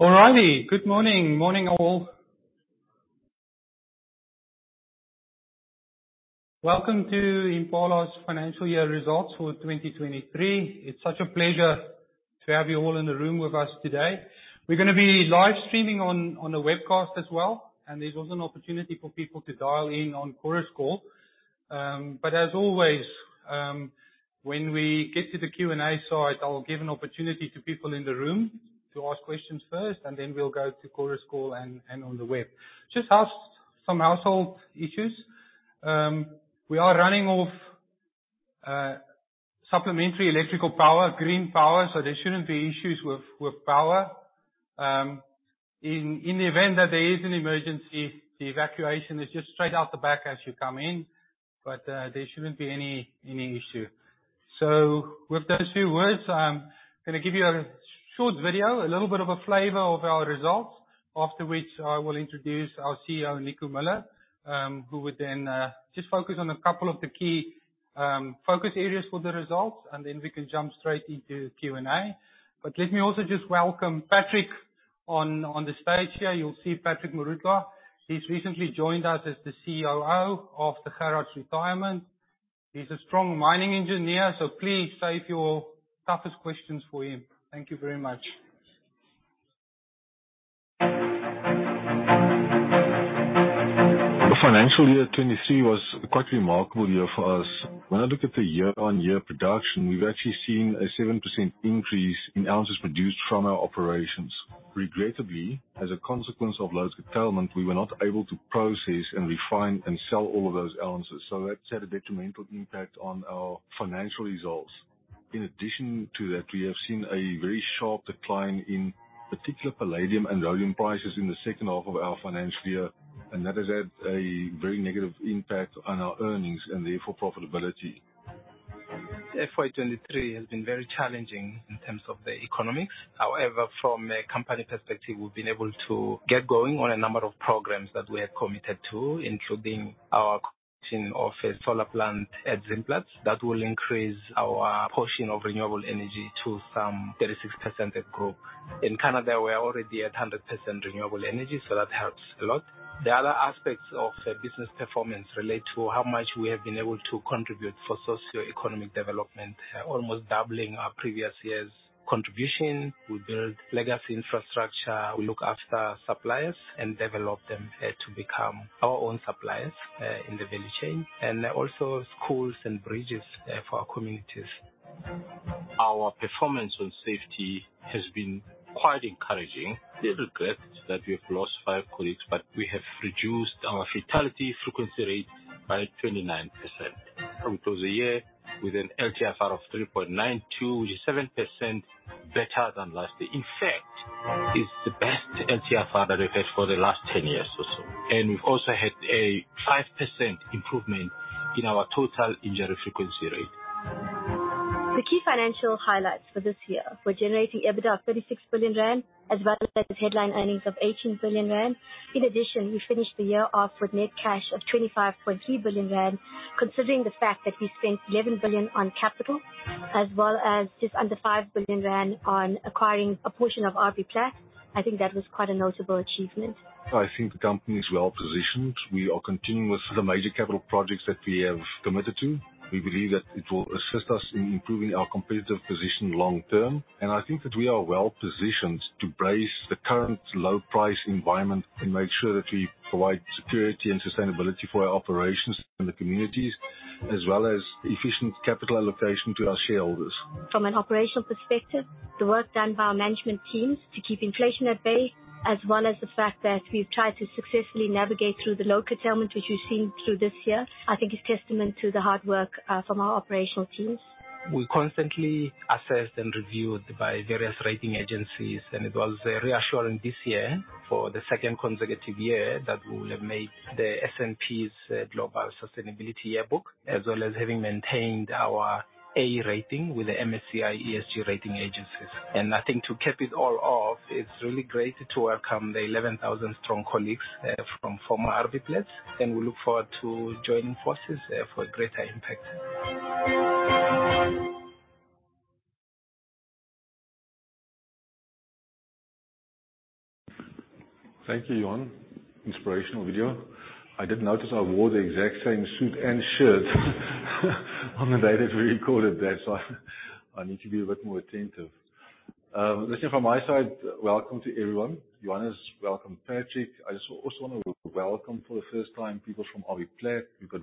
All righty. Good morning. Morning, all. Welcome to Impala's financial year results for 2023. It's such a pleasure to have you all in the room with us today. We're gonna be live streaming on the webcast as well, and there's also an opportunity for people to dial in on Chorus Call. But as always, when we get to the Q&A side, I'll give an opportunity to people in the room to ask questions first, and then we'll go to Chorus Call and on the web. Just some household issues. We are running off supplementary electrical power, green power, so there shouldn't be issues with power. In the event that there is an emergency, the evacuation is just straight out the back as you come in, but there shouldn't be any issue. So with those few words, I'm gonna give you a short video, a little bit of a flavor of our results, after which I will introduce our CEO, Nico Muller, who would then just focus on a couple of the key focus areas for the results, and then we can jump straight into the Q&A. But let me also just welcome Patrick on, on the stage here. You'll see Patrick Morutlwa. He's recently joined us as the COO of Implats. He's a strong mining engineer, so please save your toughest questions for him. Thank you very much. The financial year 2023 was quite a remarkable year for us. When I look at the year-on-year production, we've actually seen a 7% increase in ounces produced from our operations. Regrettably, as a consequence of load curtailment, we were not able to process and refine and sell all of those ounces, so that's had a detrimental impact on our financial results. In addition to that, we have seen a very sharp decline in particular palladium and rhodium prices in the second half of our financial year, and that has had a very negative impact on our earnings and therefore, profitability. FY 2023 has been very challenging in terms of the economics. However, from a company perspective, we've been able to get going on a number of programs that we are committed to, including our construction of a solar plant at Zimplats. That will increase our portion of renewable energy to some 36% at group. In Canada, we are already at 100% renewable energy, so that helps a lot. The other aspects of the business performance relate to how much we have been able to contribute for socioeconomic development, almost doubling our previous year's contribution. We build legacy infrastructure, we look after suppliers, and develop them to become our own suppliers in the value chain, and also schools and bridges for our communities. Our performance on safety has been quite encouraging. Still regret that we have lost five colleagues, but we have reduced our fatality frequency rate by 29%. We close the year with an LTIFR of 3.92, which is 7% better than last year. In fact, it's the best LTIFR that we've had for the last 10 years or so. We've also had a 5% improvement in our total injury frequency rate. The key financial highlights for this year, we're generating EBITDA of 36 billion rand, as well as headline earnings of 18 billion rand. In addition, we finished the year off with net cash of 25.3 billion rand. Considering the fact that we spent 11 billion on capital, as well as just under 5 billion rand on acquiring a portion of RBPlat, I think that was quite a notable achievement. I think the company is well positioned. We are continuing with the major capital projects that we have committed to. We believe that it will assist us in improving our competitive position long term, and I think that we are well positioned to brace the current low price environment and make sure that we provide security and sustainability for our operations in the communities, as well as efficient capital allocation to our shareholders. From an operational perspective, the work done by our management teams to keep inflation at bay, as well as the fact that we've tried to successfully navigate through the low curtailment, which you've seen through this year, I think is testament to the hard work from our operational teams. We're constantly assessed and reviewed by various rating agencies, and it was very reassuring this year, for the second consecutive year, that we will have made the S&P Global Sustainability Yearbook, as well as having maintained our "A" rating with the MSCI ESG rating agencies. And I think to cap it all off, it's really great to welcome the 11,000 strong colleagues from former RBPlat, and we look forward to joining forces for a greater impact. Thank you, Johan. Inspirational video. I did notice I wore the exact same suit and shirt on the day that we recorded that, so I need to be a bit more attentive. Listen, from my side, welcome to everyone. Johannes, welcome, Patrick. I just also wanna welcome for the first time, people from RBPlat. We've got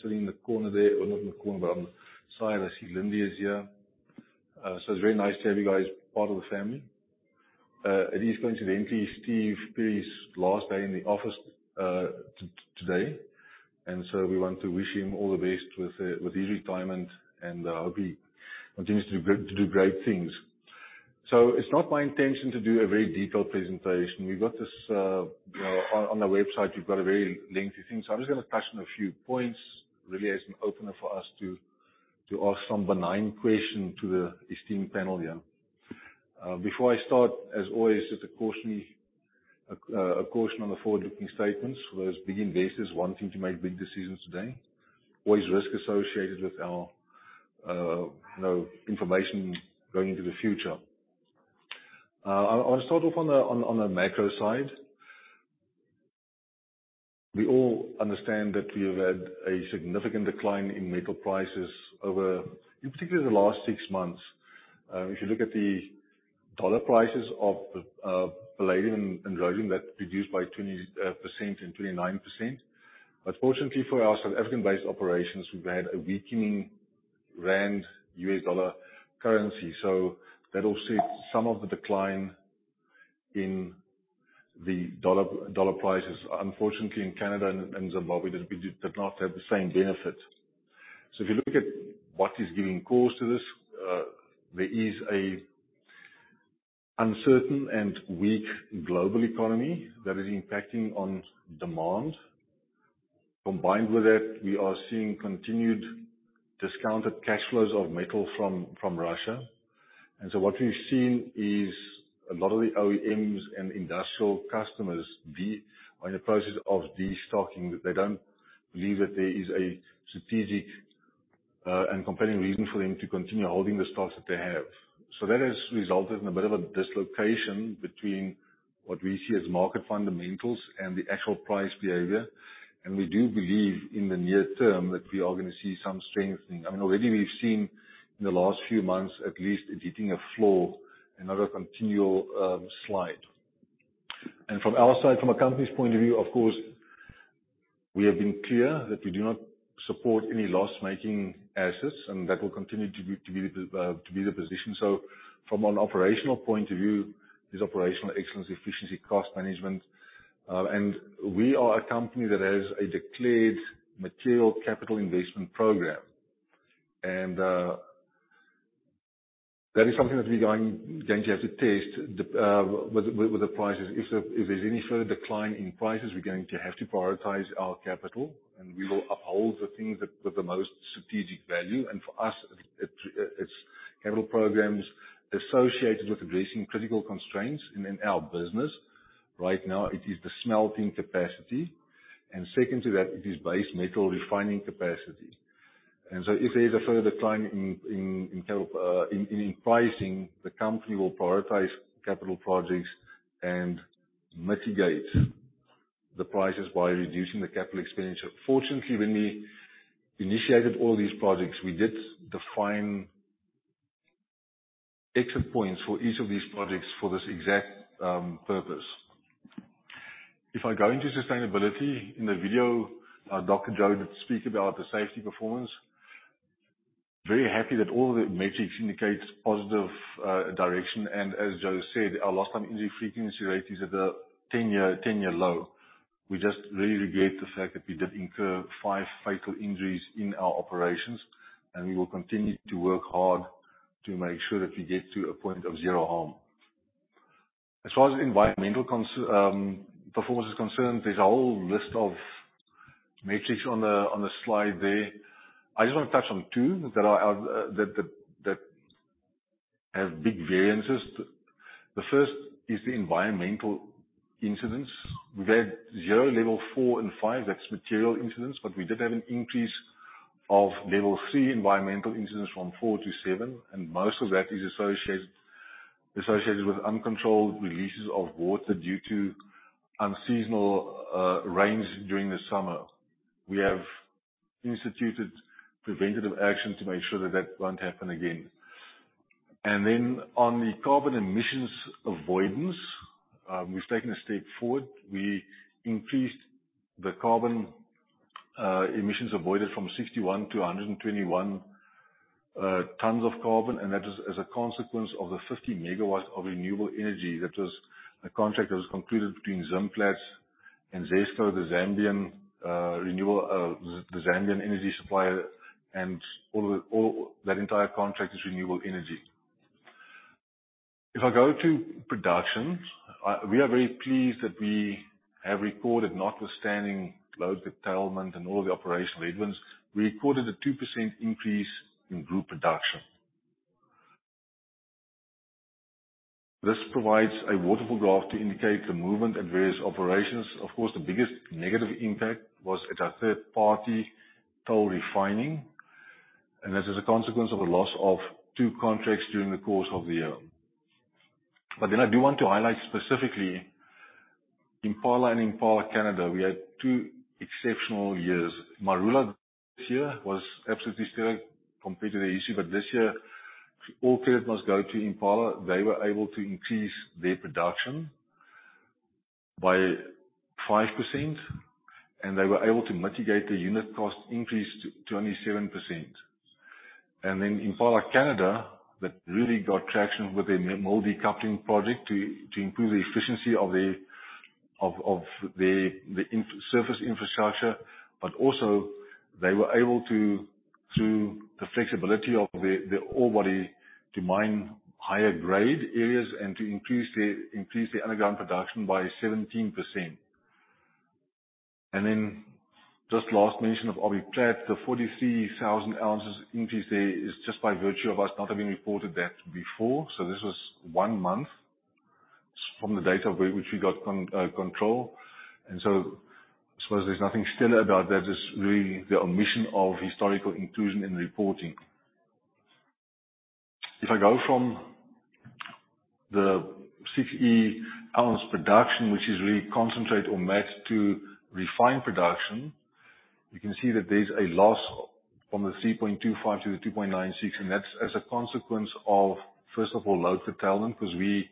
sitting in the corner there, or not in the corner, but on the side. I see Lindy is here. So it's very nice to have you guys part of the family. It is coincidentally Steve Phiri's last day in the office, today, and so we want to wish him all the best with his retirement, and hope he continues to do great, to do great things. So it's not my intention to do a very detailed presentation. We've got this, you know, on the website, we've got a very lengthy thing. So I'm just gonna touch on a few points, really as an opener for us to ask some benign question to the esteemed panel here. Before I start, as always, just a cautionary- ... A, a caution on the forward-looking statements, whereas big investors wanting to make big decisions today, what is risk associated with our, you know, information going into the future? I'll, I'll start off on the, on the macro side. We all understand that we have had a significant decline in metal prices over, in particularly the last six months. If you look at the dollar prices of, palladium and rhodium, that reduced by 20% and 29%. But fortunately for our South African-based operations, we've had a weakening rand-US dollar currency, so that offset some of the decline in the dollar, dollar prices. Unfortunately, in Canada and, and Zimbabwe, we did, did not have the same benefit. So if you look at what is giving cause to this, there is an uncertain and weak global economy that is impacting on demand. Combined with that, we are seeing continued discounted cash flows of metal from Russia. And so what we've seen is a lot of the OEMs and industrial customers are in the process of destocking. They don't believe that there is a strategic and compelling reason for them to continue holding the stocks that they have. So that has resulted in a bit of a dislocation between what we see as market fundamentals and the actual price behavior. And we do believe in the near term that we are gonna see some strengthening. I mean, already we've seen, in the last few months, at least hitting a floor, another continual slide. From our side, from a company's point of view, of course, we have been clear that we do not support any loss-making assets, and that will continue to be the position. So from an operational point of view, is operational excellence, efficiency, cost management. And we are a company that has a declared material capital investment program. And that is something that we're going to have to test with the prices. If there's any further decline in prices, we're going to have to prioritize our capital, and we will uphold the things that with the most strategic value. And for us, it's capital programs associated with addressing critical constraints. And in our business, right now, it is the smelting capacity, and second to that, it is base metal refining capacity. And so if there is a further decline in terms of pricing, the company will prioritize capital projects and mitigate the prices by reducing the capital expenditure. Fortunately, when we initiated all these projects, we did define exit points for each of these projects for this exact purpose. If I go into sustainability, in the video, Dr. Joe did speak about the safety performance. Very happy that all the metrics indicates positive direction. And as Joe said, our lost time injury frequency rate is at a ten-year low. We just really regret the fact that we did incur five fatal injuries in our operations, and we will continue to work hard to make sure that we get to a point of zero harm. As far as environmental concern, performance is concerned, there's a whole list of metrics on the, on the slide there. I just want to touch on two that are that have big variances. The first is the environmental incidents. We've had zero level four and five, that's material incidents, but we did have an increase of level three environmental incidents from four to seven, and most of that is associated with uncontrolled releases of water due to unseasonal rains during the summer. We have instituted preventative action to make sure that that won't happen again. And then on the carbon emissions avoidance, we've taken a step forward. We increased the carbon emissions avoided from 61 to 121 tons of carbon, and that is as a consequence of the 50 MW of renewable energy. That was a contract that was concluded between Zimplats and ZESCO, the Zambian renewable, the Zambian energy supplier, and all the, all that entire contract is renewable energy. If I go to production, I—we are very pleased that we have recorded, notwithstanding load curtailment and all the operational headwinds, we recorded a 2% increase in group production. This provides a waterfall graph to indicate the movement at various operations. Of course, the biggest negative impact was at a third party, toll refining, and this is a consequence of a loss of two contracts during the course of the year. But then I do want to highlight specifically, Impala and Impala Canada, we had two exceptional years. Marula this year was absolutely still competitive this year, but this year, all credit must go to Impala. They were able to increase their production by 5%, and they were able to mitigate the unit cost increase to only 7%. Then Impala Canada, that really got traction with their mill decoupling project to improve the efficiency of the surface infrastructure. But also they were able to, through the flexibility of the ore body, to mine higher grade areas and to increase the underground production by 17%.... Then just last mention of RBPlat, the 43,000 ounces increase there is just by virtue of us not having reported that before. So this was one month from the date of which we got control. And so I suppose there's nothing stellar about that, it's really the omission of historical inclusion in reporting. If I go from the 6E ounce production, which is really concentrate or match to refined production, you can see that there's a loss from the 3.25 to the 2.96, and that's as a consequence of, first of all, load curtailment, because we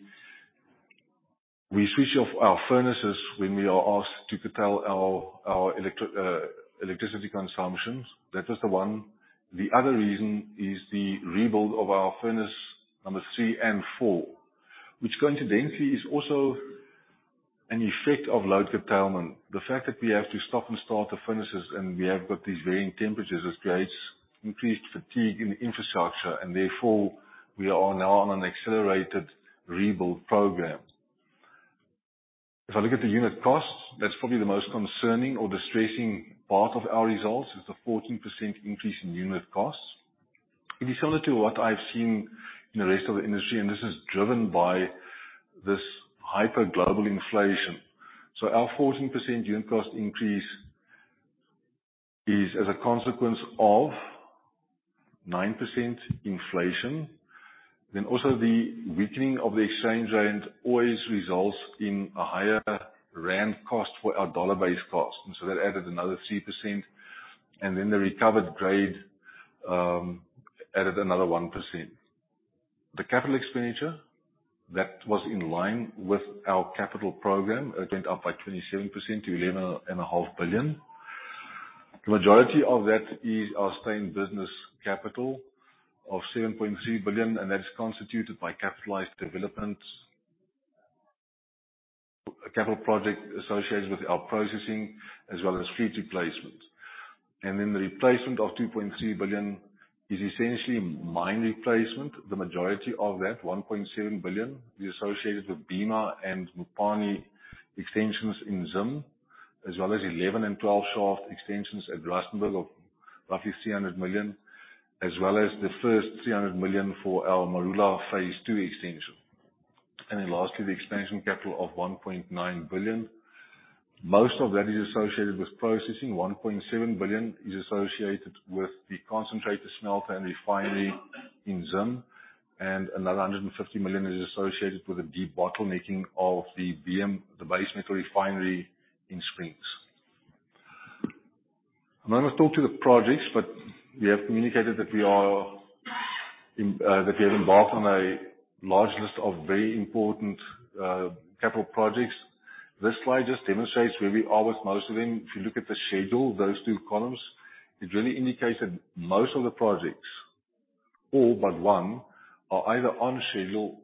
switch off our furnaces when we are asked to curtail our electricity consumptions. That is the one. The other reason is the rebuild of our furnace number three and four, which coincidentally is also an effect of load curtailment. The fact that we have to stop and start the furnaces, and we have got these varying temperatures, this creates increased fatigue in the infrastructure, and therefore, we are now on an accelerated rebuild program. If I look at the unit costs, that's probably the most concerning or distressing part of our results, is the 14% increase in unit costs. It is similar to what I've seen in the rest of the industry, and this is driven by this hyper global inflation. So our 14% unit cost increase is as a consequence of 9% inflation, then also the weakening of the exchange rate always results in a higher rand cost for our dollar-based costs, and so that added another 3%, and then the recovered grade added another 1%. The capital expenditure that was in line with our capital program went up by 27% to 11.5 billion. The majority of that is our sustained business capital of 7.3 billion, and that is constituted by capitalized developments, a capital project associated with our processing, as well as fleet replacement. And then the replacement of 2.3 billion is essentially mine replacement. The majority of that, 1.7 billion, is associated with Bimha and Mupani extensions in Zim, as well as 11 and 12 shaft extensions at Rustenburg of roughly 300 million, as well as the first 300 million for our Marula Phase Two extension. And then lastly, the expansion capital of 1.9 billion. Most of that is associated with processing. 1.7 billion is associated with the concentrated smelter and refinery in Zim, and another 150 million is associated with the debottlenecking of the BM, the base metal refinery in Springs. I'm going to talk to the projects, but we have communicated that we are, that we have embarked on a large list of very important, capital projects. This slide just demonstrates where we are with most of them. If you look at the schedule, those two columns, it really indicates that most of the projects, all but one, are either on schedule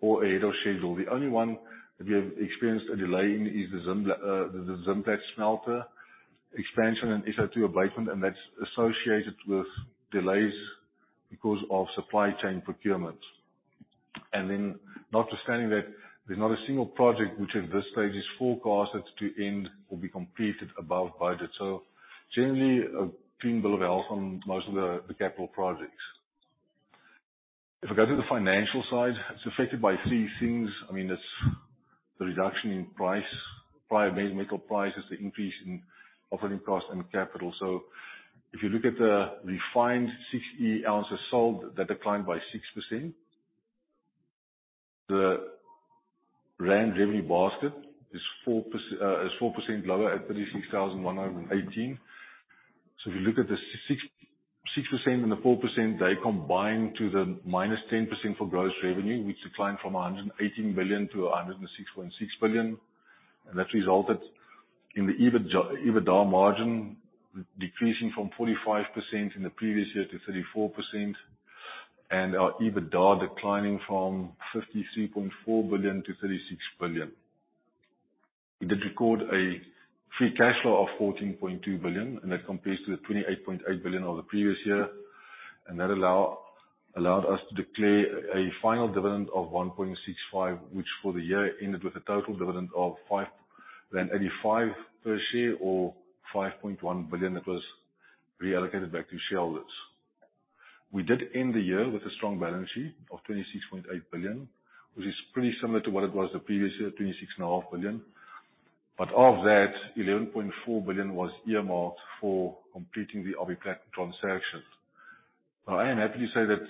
or ahead of schedule. The only one that we have experienced a delay in is the Zim, the Zimplats smelter expansion and SO2 abatement, and that's associated with delays because of supply chain procurements. And then notwithstanding that, there's not a single project which at this stage is forecasted to end or be completed above budget. So generally, a clean bill of health on most of the, the capital projects. If I go to the financial side, it's affected by three things. I mean, it's the reduction in price, prior base metal prices, the increase in operating costs and capital. So if you look at the refined 6E ounces sold, that declined by 6%. The rand revenue basket is 4% lower at 36,118. So if you look at the 6, 6% and the 4%, they combine to the -10% for gross revenue, which declined from 118 billion to 106.6 billion. That resulted in the EBITDA, EBITDA margin decreasing from 45% in the previous year to 34%, and our EBITDA declining from 53.4 billion to 36 billion. We did record a free cash flow of 14.2 billion, and that compares to the 28.8 billion of the previous year. That allowed us to declare a final dividend of 1.65, which for the year ended with a total dividend of 5.85 per share or 5.1 billion that was reallocated back to shareholders. We did end the year with a strong balance sheet of 26.8 billion, which is pretty similar to what it was the previous year, 26.5 billion. But of that, 11.4 billion was earmarked for completing the RBPlat transaction. Now, I am happy to say that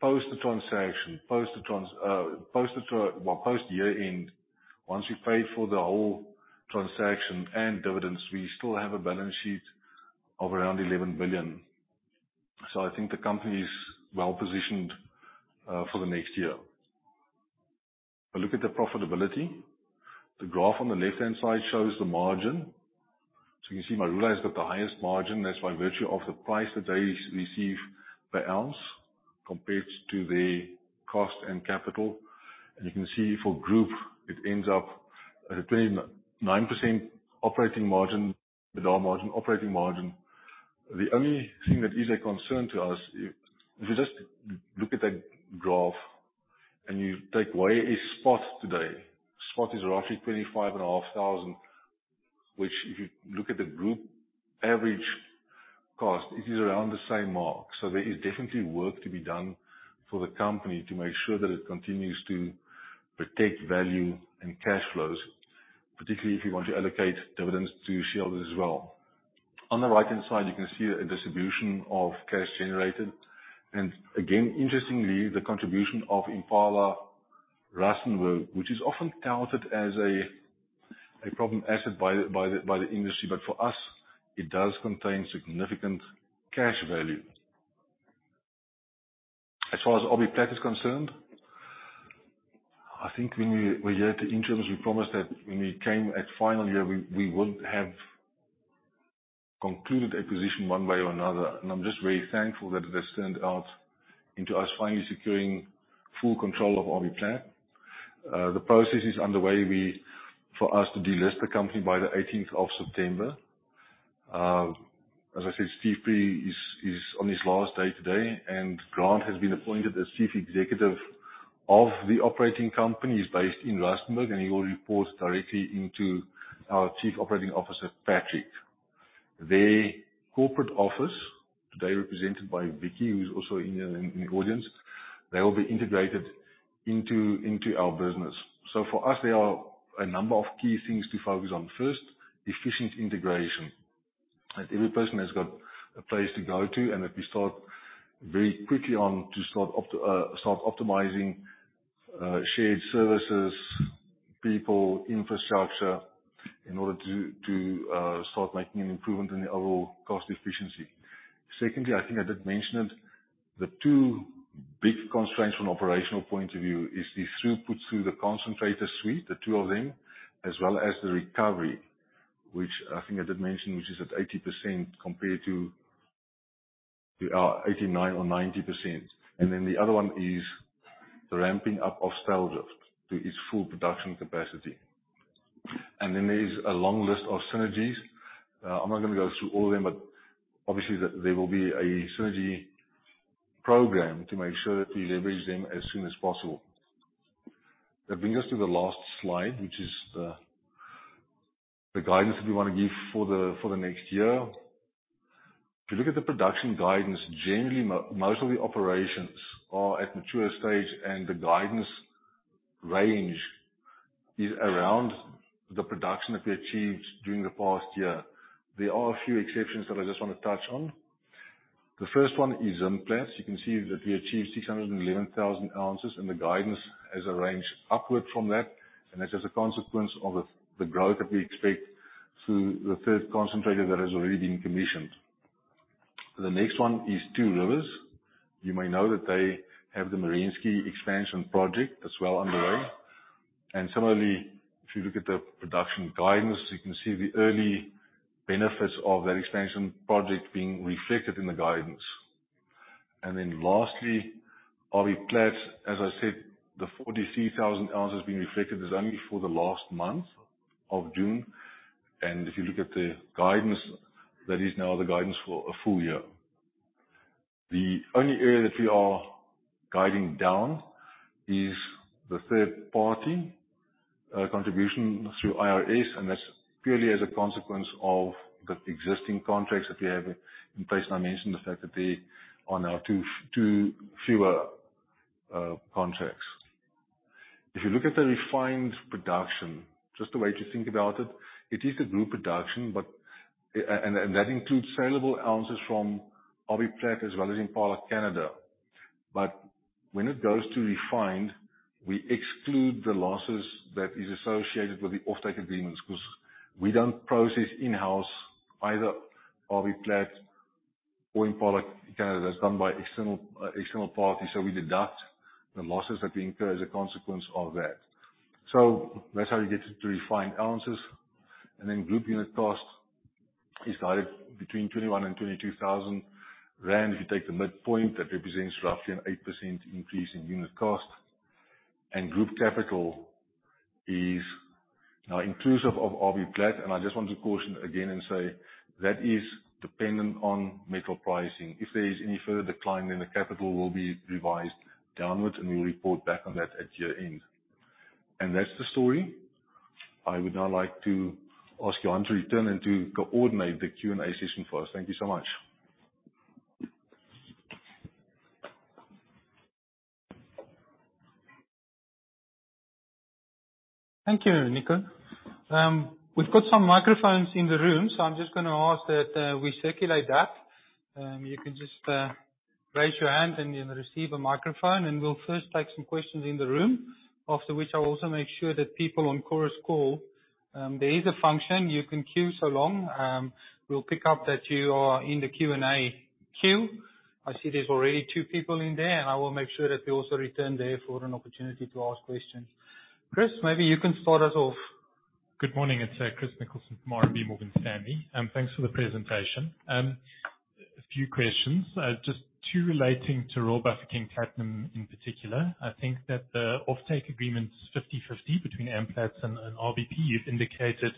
post the transaction, well, post year-end, once we paid for the whole transaction and dividends, we still have a balance sheet of around 11 billion. So I think the company is well-positioned for the next year. If I look at the profitability, the graph on the left-hand side shows the margin. So you can see Marula has got the highest margin. That's by virtue of the price that they receive per ounce, compared to the cost and capital. And you can see for group, it ends up at a 29% operating margin, EBITDA margin, operating margin. The only thing that is a concern to us, if you just look at that graph and you take away a spot today, spot is roughly $25,500, which if you look at the group average cost, it is around the same mark. So there is definitely work to be done for the company to make sure that it continues to protect value and cash flows, particularly if you want to allocate dividends to shareholders as well. On the right-hand side, you can see a distribution of cash generated. And again, interestingly, the contribution of Impala Rustenburg, which is often touted as a problem asset by the industry. But for us, it does contain significant cash value. As far as RBPlat is concerned, I think when we were here at the interims, we promised that when we came at final year, we would have concluded acquisition one way or another. And I'm just very thankful that it has turned out into us finally securing full control of RBPlat. The process is underway. We for us to delist the company by the 18th of September. As I said, Steve Phiri is on his last day today, and Grant has been appointed as Chief Executive of the operating company. He's based in Rustenburg, and he will report directly into our Chief Operating Officer, Patrick. Their corporate office, today, represented by Vicky, who is also in the audience. They will be integrated into our business. So for us, there are a number of key things to focus on. First, efficient integration. That every person has got a place to go to, and that we start very quickly on to start optimizing shared services, people, infrastructure, in order to start making an improvement in the overall cost efficiency. Secondly, I think I did mention it, the two big constraints from an operational point of view is the throughput through the concentrator suite, the two of them, as well as the recovery, which I think I did mention, which is at 80% compared to 89% or 90%. And then the other one is the ramping up of Styldrift to its full production capacity. And then there's a long list of synergies. I'm not gonna go through all of them, but obviously, there will be a synergy program to make sure that we leverage them as soon as possible. That brings us to the last slide, which is the guidance that we wanna give for the next year. If you look at the production guidance, generally, most of the operations are at mature stage, and the guidance range is around the production that we achieved during the past year. There are a few exceptions that I just want to touch on. The first one is Zimplats. You can see that we achieved 611,000 ounces, and the guidance has been revised upward from that, and that's as a consequence of the growth that we expect through the third concentrator that has already been commissioned. The next one is Two Rivers. You may know that they have the Merensky expansion project as well underway. Similarly, if you look at the production guidance, you can see the early benefits of that expansion project being reflected in the guidance. Then lastly, RBPlat, as I said, the 43,000 ounces being reflected is only for the last month of June. And if you look at the guidance, that is now the guidance for a full year. The only area that we are guiding down is the third-party contribution through IRS, and that's purely as a consequence of the existing contracts that we have in place. And I mentioned the fact that they are now two fewer contracts. If you look at the refined production, just a way to think about it, it is a group production, but and that includes sellable ounces from RBPlat as well as Impala Canada. But when it goes to refined, we exclude the losses that is associated with the offtake agreements because we don't process in-house either RBPlat or Impala Canada. That's done by external parties, so we deduct the losses that we incur as a consequence of that. So that's how you get to refined ounces. And then group unit cost is guided between 21,000 and 22,000 rand. If you take the midpoint, that represents roughly an 8% increase in unit cost. Group capital is now inclusive of RBPlat, and I just want to caution again and say that is dependent on metal pricing. If there is any further decline, then the capital will be revised downwards, and we'll report back on that at year-end. That's the story. I would now like to ask Johan to return and to coordinate the Q&A session for us. Thank you so much. Thank you, Nico. We've got some microphones in the room, so I'm just gonna ask that we circulate that. You can just raise your hand, and you'll receive a microphone, and we'll first take some questions in the room. After which, I'll also make sure that people on chorus call, there is a function you can queue so long. We'll pick up that you are in the Q&A queue. I see there's already two people in there, and I will make sure that we also return there for an opportunity to ask questions. Chris, maybe you can start us off. Good morning. It's Chris Nicholson from RMB Morgan Stanley, and thanks for the presentation. A few questions. Just two relating to Royal Bafokeng Platinum in particular. I think that the offtake agreement is 50/50 between Amplats and RBP. You've indicated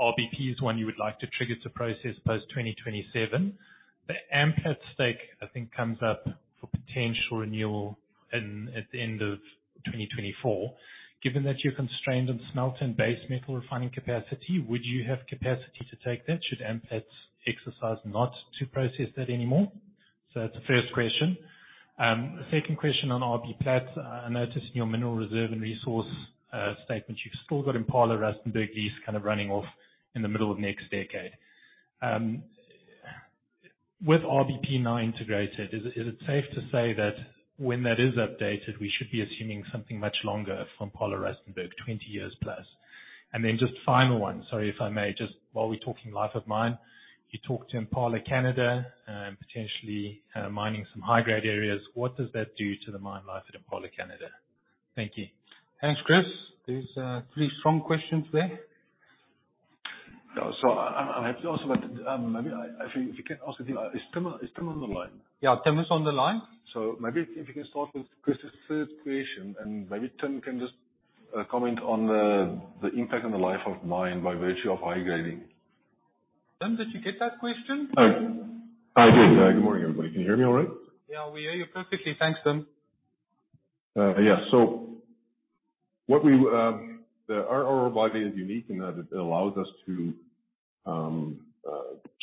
RBP is one you would like to trigger to process post-2027. The Amplats stake, I think, comes up for potential renewal at the end of 2024. Given that you're constrained on smelting and base metal refining capacity, would you have capacity to take that should Amplats exercise not to process that anymore? So that's the first question. The second question on RBPlat, I noticed in your mineral reserve and resource statement, you've still got Impala Rustenburg lease kind of running off in the middle of next decade. With RBP now integrated, is it safe to say that when that is updated, we should be assuming something much longer from Impala Rustenburg, 20 years plus? And then just final one, sorry, if I may, just while we're talking life of mine. You talked Impala Canada, potentially mining some high-grade areas. What does that do to the mine life at Impala Canada? Thank you. Thanks, Chris. There's three strong questions there. Yeah, so I'm also... maybe I think if you can ask if Tim is on the line? Yeah, Tim is on the line. So maybe if you can start with Chris's third question, and maybe Tim can just comment on the impact on the life of mine by virtue of high grading. Tim, did you get that question? I did. Good morning, everybody. Can you hear me all right? Yeah, we hear you perfectly. Thanks, Tim. Yeah. So, our Royal Bafokeng is unique in that it allows us to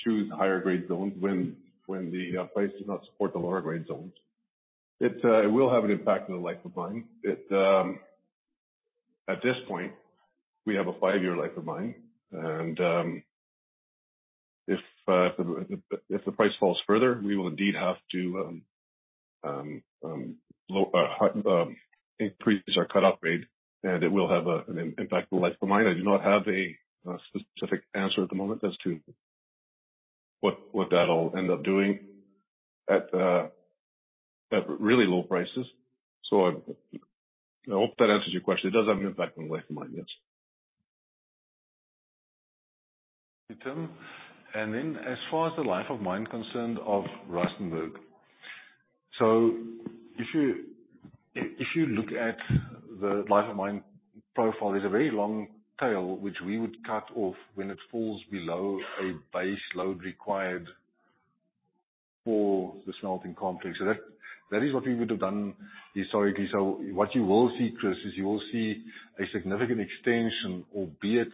choose higher grade zones when the price does not support the lower grade zones. It will have an impact on the life of mine. At this point, we have a five-year life of mine, and if the price falls further, we will indeed have to increase our cut-off grade, and it will have an impact on life of mine. I do not have a specific answer at the moment as to what that'll end up doing at really low prices. So I hope that answers your question. It does have an impact on the life of mine, yes. Tim, and then as far as the life of mine concerned of Rustenburg. So if you look at the life of mine profile, there's a very long tail, which we would cut off when it falls below a base load required for the smelting complex. So that is what we would have done historically. So what you will see, Chris, is you will see a significant extension, albeit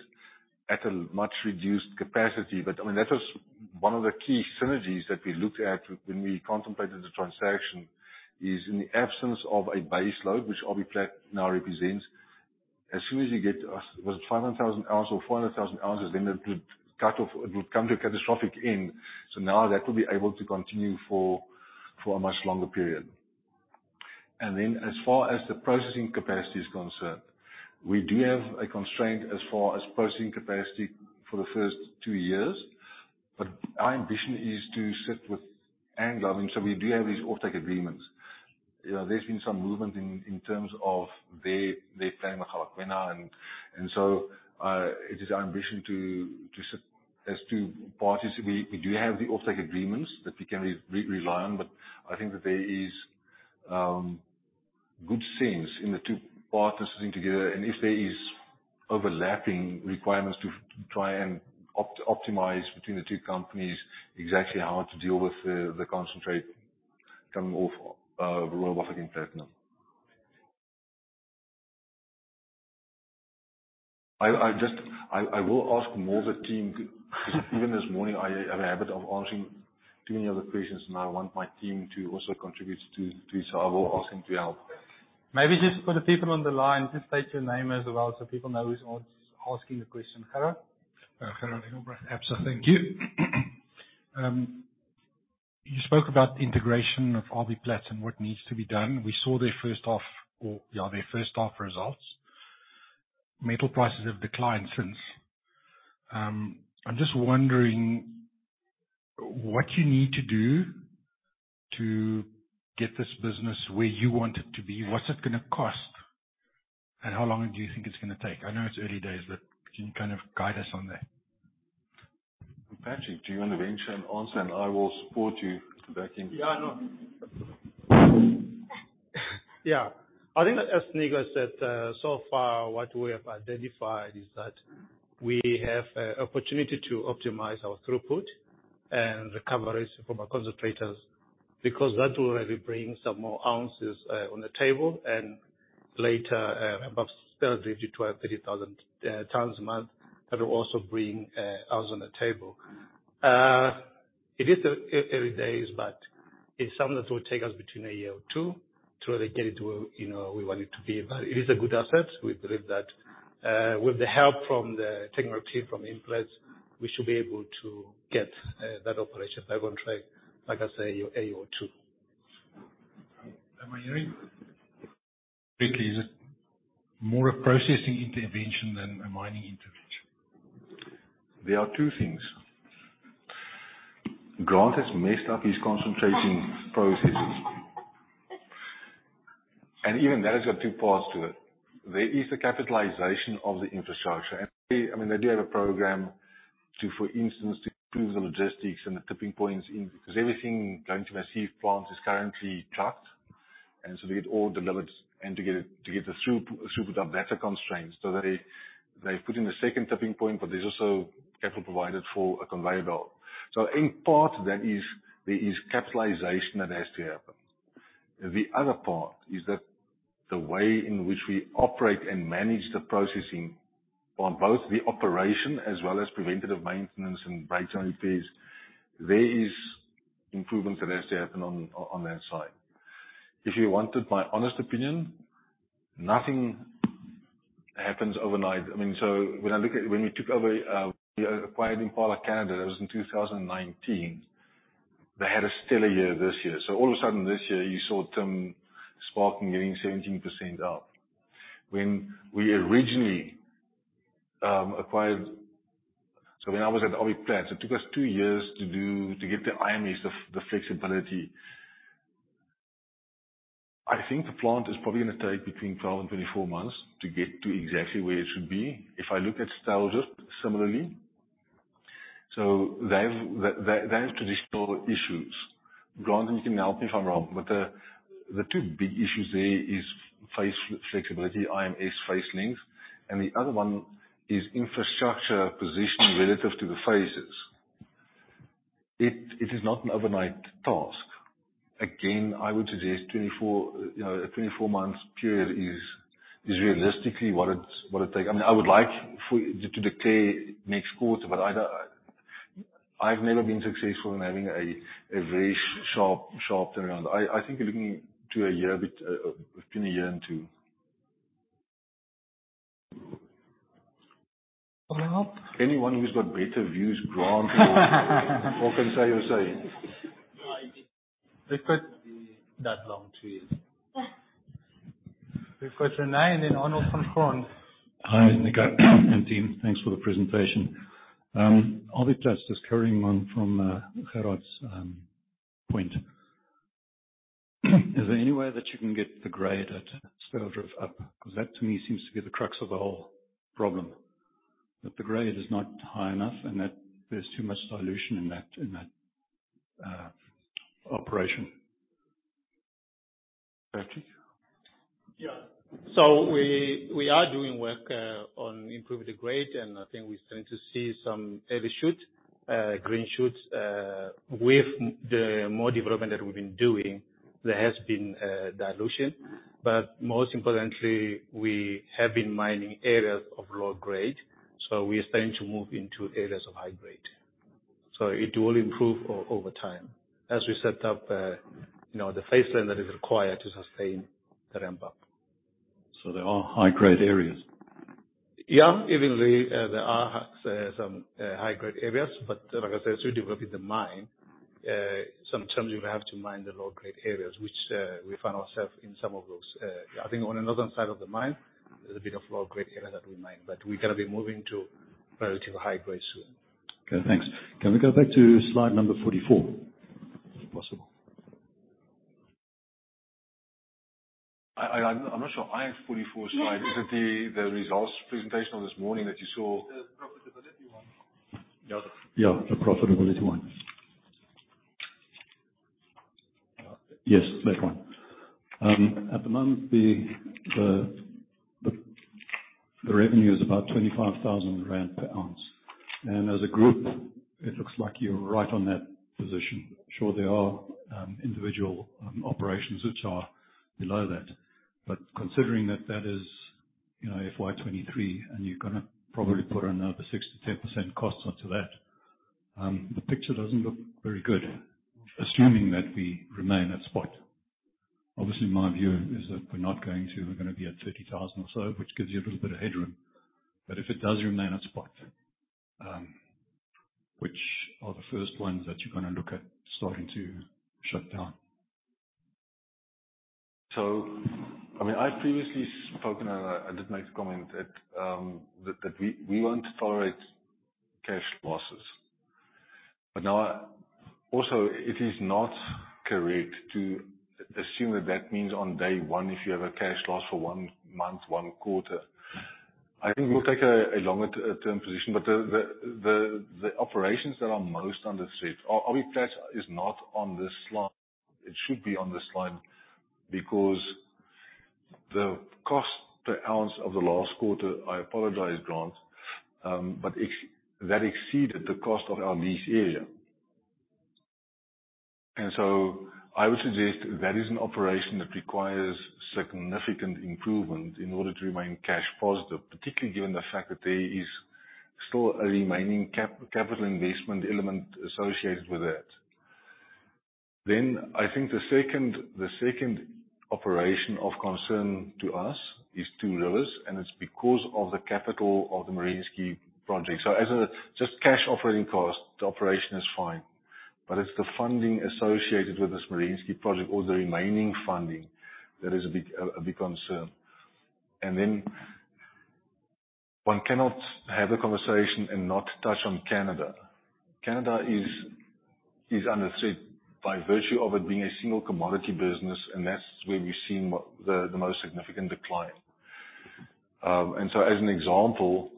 at a much reduced capacity. But, I mean, that was one of the key synergies that we looked at when we contemplated the transaction, is in the absence of a base load, which RBPlat now represents. As soon as you get, was it 500,000 ounces or 400,000 ounces, then it would cut off. It would come to a catastrophic end. So now that will be able to continue for a much longer period. And then, as far as the processing capacity is concerned, we do have a constraint as far as processing capacity for the first two years, but our ambition is to sit with Anglo, and so we do have these offtake agreements. You know, there's been some movement in terms of their plan with Mogalakwena, and so it is our ambition to sit as two parties. We do have the offtake agreements that we can rely on, but I think that there is good sense in the two parties sitting together, and if there is overlapping requirements to try and optimize between the two companies, exactly how to deal with the concentrate coming off Royal Bafokeng Platinum. I just... I will ask the team. Even this morning, I have a habit of answering too many other questions, and I want my team to also contribute, so I will ask him to help. Maybe just for the people on the line, just state your name as well, so people know who's asking the question. Harold? Harold, absolutely. Thank you. You spoke about the integration of RBPlat and what needs to be done. We saw their first half results. Metal prices have declined since. I'm just wondering what you need to do to get this business where you want it to be. What's it gonna cost, and how long do you think it's gonna take? I know it's early days, but can you kind of guide us on that? Patrick, do you want to venture an answer, and I will support you back in? Yeah, no. Yeah. I think, as Nico said, so far, what we have identified is that we have an opportunity to optimize our throughput and recovery from our concentrators, because that will already bring some more ounces on the table, and later, about 30-30,000 tons a month, that will also bring ounce on the table. It is early days, but it's something that will take us between a year or two to really get it to, you know, where we want it to be. But it is a good asset. We believe that, with the help from the technical team from Impala, we should be able to get that operation back on track, like I said, a year or two. Am I hearing correctly, is it more a processing intervention than a mining intervention? There are two things. Grant has messed up his concentration processes. And even that has got two parts to it. There is the capitalization of the infrastructure. And, I mean, they do have a program to, for instance, to improve the logistics and the tipping points in, because everything going to my Maseve plant is currently trucks.... And so to get all delivered and to get it, to get the throughput data constraints. So they, they've put in the second tipping point, but there's also capital provided for a conveyor belt. So in part, that is, there is capitalization that has to happen. The other part is that the way in which we operate and manage the processing on both the operation as well as preventative maintenance and breakdown repairs, there is improvements that has to happen on, on that side. If you wanted my honest opinion, nothing happens overnight. I mean, so when I look at when we took over, we acquired Impala Canada, that was in 2019. They had a stellar year this year, so all of a sudden, this year, you saw them sparking, getting 17% up. When we originally acquired. So when I was at RBPlat, it took us two years to do, to get the IMS, the flexibility. I think the plant is probably gonna take between 12-24 months to get to exactly where it should be. If I look at Styldrift similarly, so they've had traditional issues. Grant, you can help me if I'm wrong, but the two big issues there is face flexibility, IMS face length, and the other one is infrastructure position relative to the faces. It is not an overnight task. Again, I would suggest 24, you know, a 24 months period is realistically what it takes. I mean, I would like for you to declare next quarter, but I don't. I've never been successful in having a very sharp turnaround. I think you're looking to a year, between a year and two. Well- Anyone who's got better views, Grant, what can you say? I think that long two years. We've got Renee and then Arnold van Graan. Hi, Nick, and team. Thanks for the presentation. I'll be just carrying on from Harold's point. Is there any way that you can get the grade at Styldrift up? Because that, to me, seems to be the crux of the whole problem, that the grade is not high enough and that there's too much dilution in that operation. Patrick? Yeah. So we are doing work on improving the grade, and I think we're starting to see some early shoots, green shoots. With the more development that we've been doing, there has been dilution, but most importantly, we have been mining areas of low grade, so we are starting to move into areas of high grade. So it will improve over time as we set up, you know, the face length that is required to sustain the ramp up. So there are high-grade areas? Yeah, even though there are some high-grade areas, but like I said, as we develop the mine, sometimes you have to mine the low-grade areas, which we find ourselves in some of those. I think on the northern side of the mine, there's a bit of low-grade area that we mine, but we're gonna be moving to relatively high grade soon. Okay, thanks. Can we go back to slide number 44, if possible? I'm not sure. I have 44 slides. Is it the results presentation on this morning that you saw? The profitability one. Yeah, the profitability one. Yes, that one. At the moment, the revenue is about 25,000 rand per ounce, and as a group, it looks like you're right on that position. Sure, there are individual operations which are below that, but considering that that is, you know, FY 2023, and you're gonna probably put another 6%-10% cost onto that, the picture doesn't look very good, assuming that we remain at spot. Obviously, my view is that we're not going to. We're gonna be at 30,000 ZAR or so, which gives you a little bit of headroom. But if it does remain at spot, which are the first ones that you're gonna look at starting to shut down? So, I mean, I've previously spoken, and I did make a comment that that we won't tolerate cash losses. But now, also, it is not correct to assume that that means on day one, if you have a cash loss for one month, one quarter. I think we'll take a longer term position, but the operations that are most under threat, BRPM is not on this slide. It should be on this slide because the cost per ounce of the last quarter, I apologize, Grant, but except that exceeded the cost of our lease area. And so I would suggest that is an operation that requires significant improvement in order to remain cash positive, particularly given the fact that there is still a remaining capital investment element associated with that. Then I think the second, the second operation of concern to us is Two Rivers, and it's because of the capital of the Merensky project. So as a just cash operating cost, the operation is fine, but it's the funding associated with this Merensky project or the remaining funding that is a big, a big concern. And then one cannot have a conversation and not touch on Canada. Canada is under threat by virtue of it being a single commodity business, and that's where we've seen the most significant decline. And so, as an example,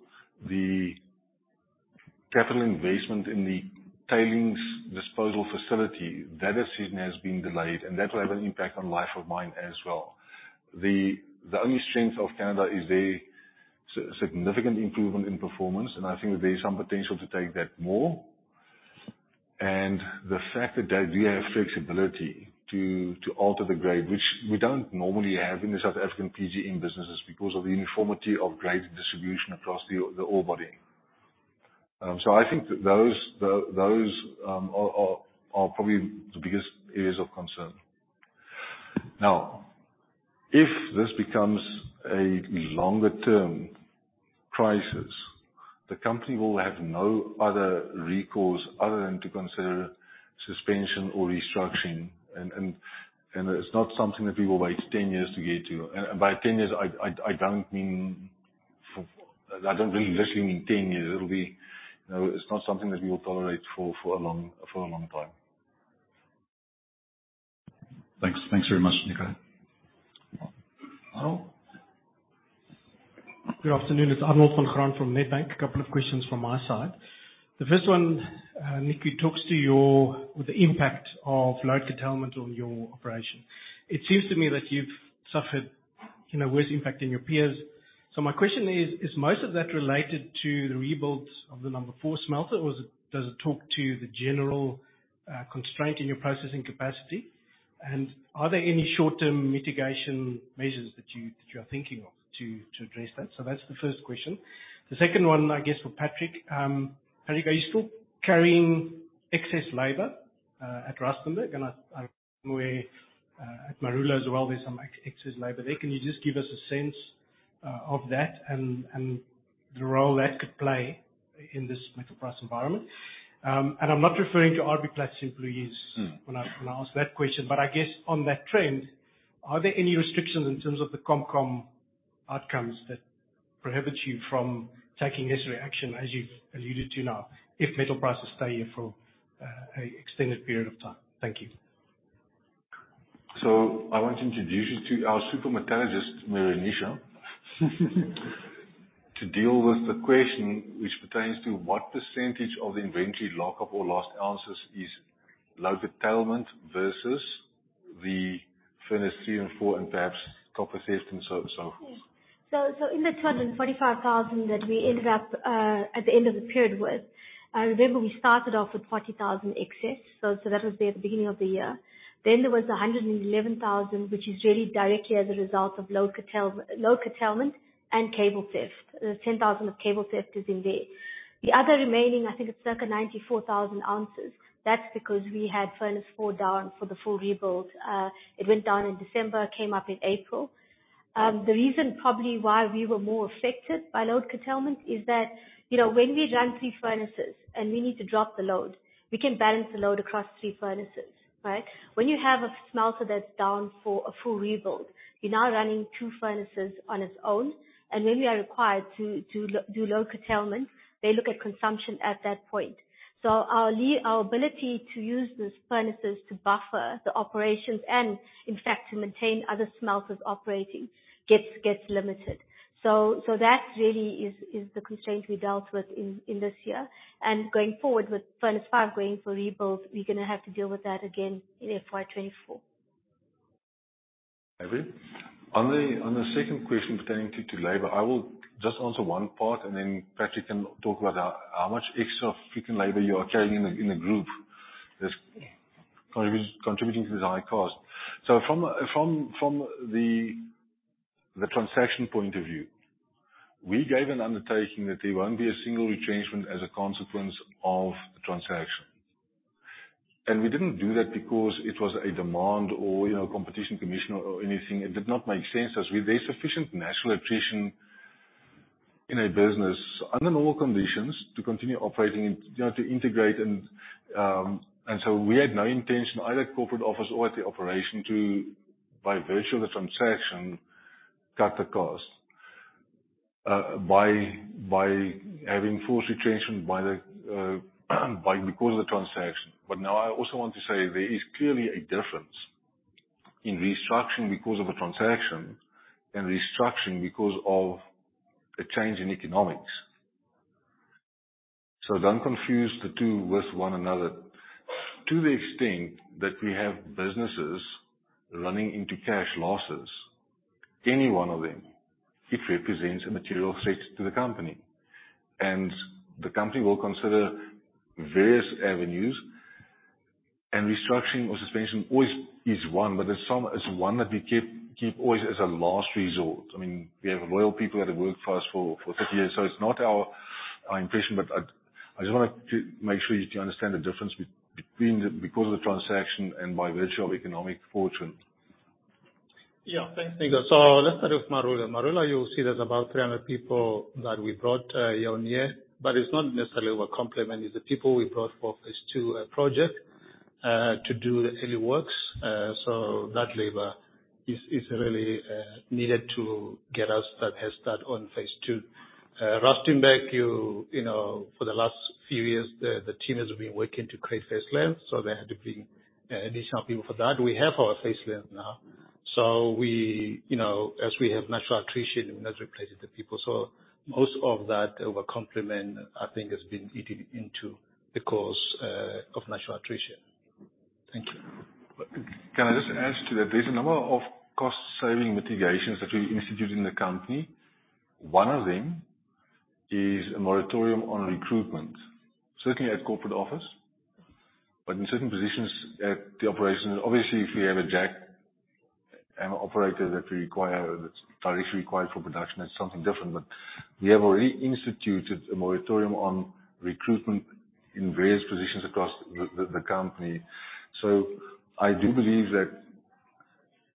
capital investment in the tailings disposal facility, that decision has been delayed, and that will have an impact on life of mine as well. The only strength of Canada is their significant improvement in performance, and I think there is some potential to take that more. And the fact that we have flexibility to alter the grade, which we don't normally have in the South African PGE businesses because of the uniformity of grade distribution across the ore body. So I think that those are probably the biggest areas of concern. Now, if this becomes a longer term crisis, the company will have no other recourse other than to consider suspension or restructuring, and it's not something that we will wait ten years to get to. And by ten years, I don't mean—I don't really literally mean ten years. It'll be, you know, it's not something that we will tolerate for a long time. Thanks. Thanks very much, Nico. Arnold? Good afternoon. It's Arnold Van Graan from Nedbank. A couple of questions from my side. The first one, Nicky, talks to the impact of load curtailment on your operation. It seems to me that you've suffered, you know, worse impact than your peers. So my question is: Is most of that related to the rebuild of the number 4 smelter, or does it talk to the general constraint in your processing capacity? And are there any short-term mitigation measures that you are thinking of to address that? So that's the first question. The second one, I guess, for Patrick. Patrick, are you still carrying excess labor at Rustenburg? And at Marula as well, there's some excess labor there. Can you just give us a sense of that and the role that could play in this metal price environment? And I'm not referring to RBPlat's employees- Mm. when I, when I ask that question. But I guess on that trend, are there any restrictions in terms of the Comcom outcomes that prohibits you from taking this action, as you've alluded to now, if metal prices stay here for a extended period of time? Thank you. I want to introduce you to our super metallurgist, Meroonisha, to deal with the question which pertains to what percentage of the inventory lockup or lost ounces is load curtailment versus the furnace 3 and 4, and perhaps copper theft and so on and so forth. So, in the 245,000 that we ended up at the end of the period with, remember, we started off with 40,000 excess, so that was there at the beginning of the year. Then there was 111,000, which is really directly as a result of load curtailment and cable theft. The 10,000 of cable theft is in there. The other remaining, I think it's circa 94,000 ounces. That's because we had furnace 4 down for the full rebuild. It went down in December, came up in April. The reason probably why we were more affected by load curtailment is that, you know, when we run three furnaces and we need to drop the load, we can balance the load across three furnaces, right? When you have a smelter that's down for a full rebuild, you're now running two furnaces on its own, and when we are required to do load curtailment, they look at consumption at that point. So our ability to use those furnaces to buffer the operations and, in fact, to maintain other smelters operating gets limited. So that really is the constraint we dealt with in this year. And going forward with furnace 5 going for rebuild, we're gonna have to deal with that again in FY 2024. On the second question pertaining to labor, I will just answer one part, and then Patrick can talk about how much extra freaking labor you are carrying in the group that's contributing to the high cost. So from the transaction point of view, we gave an undertaking that there won't be a single retrenchment as a consequence of the transaction. And we didn't do that because it was a demand or, you know, Competition Commission or anything. It did not make sense, as we have sufficient natural attrition in a business under normal conditions to continue operating and, you know, to integrate and... So we had no intention, either at corporate office or at the operation, to, by virtue of the transaction, cut the cost by having forced retrenchment because of the transaction. But now, I also want to say there is clearly a difference in restructuring because of a transaction and restructuring because of a change in economics. So don't confuse the two with one another. To the extent that we have businesses running into cash losses, any one of them, it represents a material threat to the company, and the company will consider various avenues, and restructuring or suspension always is one, but it's one that we keep always as a last resort. I mean, we have loyal people that have worked for us for 30 years, so it's not our intention. But I just wanted to make sure that you understand the difference between because of the transaction and by virtue of economic fortune. Yeah, thanks, Nico. So let's start with Marula. Marula, you'll see there's about 300 people that we brought year on year, but it's not necessarily a complement. It's the people we brought for phase two project to do the early works. So that labor is really needed to get us that head start on phase two. Rustenburg, you know, for the last few years, the team has been working to create phase one, so there had to be additional people for that. We have our phase one now. ... So we, you know, as we have natural attrition, we must replace the people. So most of that over-complement, I think, has been eaten into over the course of natural attrition. Thank you. Can I just add to that? There's a number of cost-saving mitigations that we instituted in the company. One of them is a moratorium on recruitment, certainly at corporate office, but in certain positions at the operation. Obviously, if we have a jack operator that we require, that's directly required for production, that's something different. But we have already instituted a moratorium on recruitment in various positions across the company. So I do believe that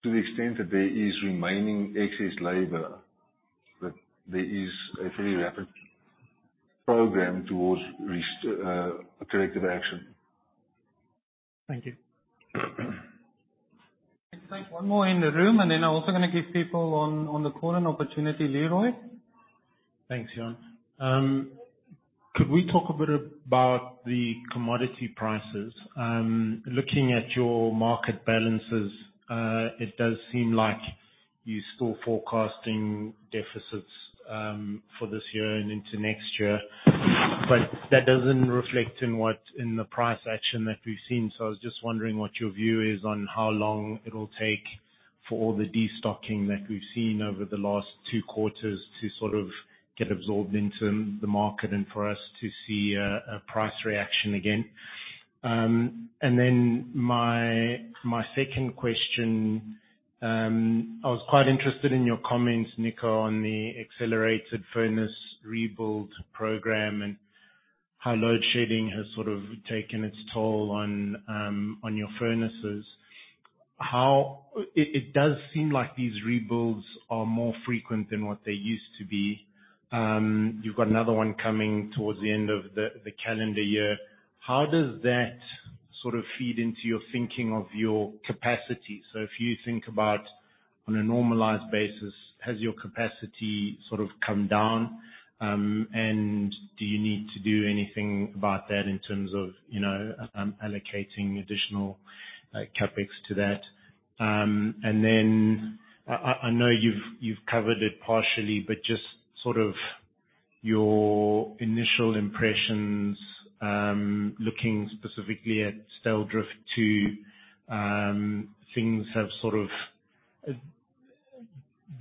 to the extent that there is remaining excess labor, that there is a very rapid program towards rest corrective action. Thank you. Thanks. One more in the room, and then I'm also gonna give people on the call an opportunity. Leroy? Thanks, Johan. Could we talk a bit about the commodity prices? Looking at your market balances, it does seem like you're still forecasting deficits for this year and into next year. But that doesn't reflect in what- in the price action that we've seen. So I was just wondering what your view is on how long it'll take for all the destocking that we've seen over the last two quarters to sort of get absorbed into the market and for us to see a price reaction again. And then my second question, I was quite interested in your comments, Nico, on the accelerated furnace rebuild program, and how load shedding has sort of taken its toll on your furnaces. It does seem like these rebuilds are more frequent than what they used to be. You've got another one coming towards the end of the calendar year. How does that sort of feed into your thinking of your capacity? So if you think about on a normalized basis, has your capacity sort of come down? And do you need to do anything about that in terms of, you know, allocating additional CapEx to that? And then, I know you've covered it partially, but just sort of your initial impressions, looking specifically at Styldrift, too. Things have sort of...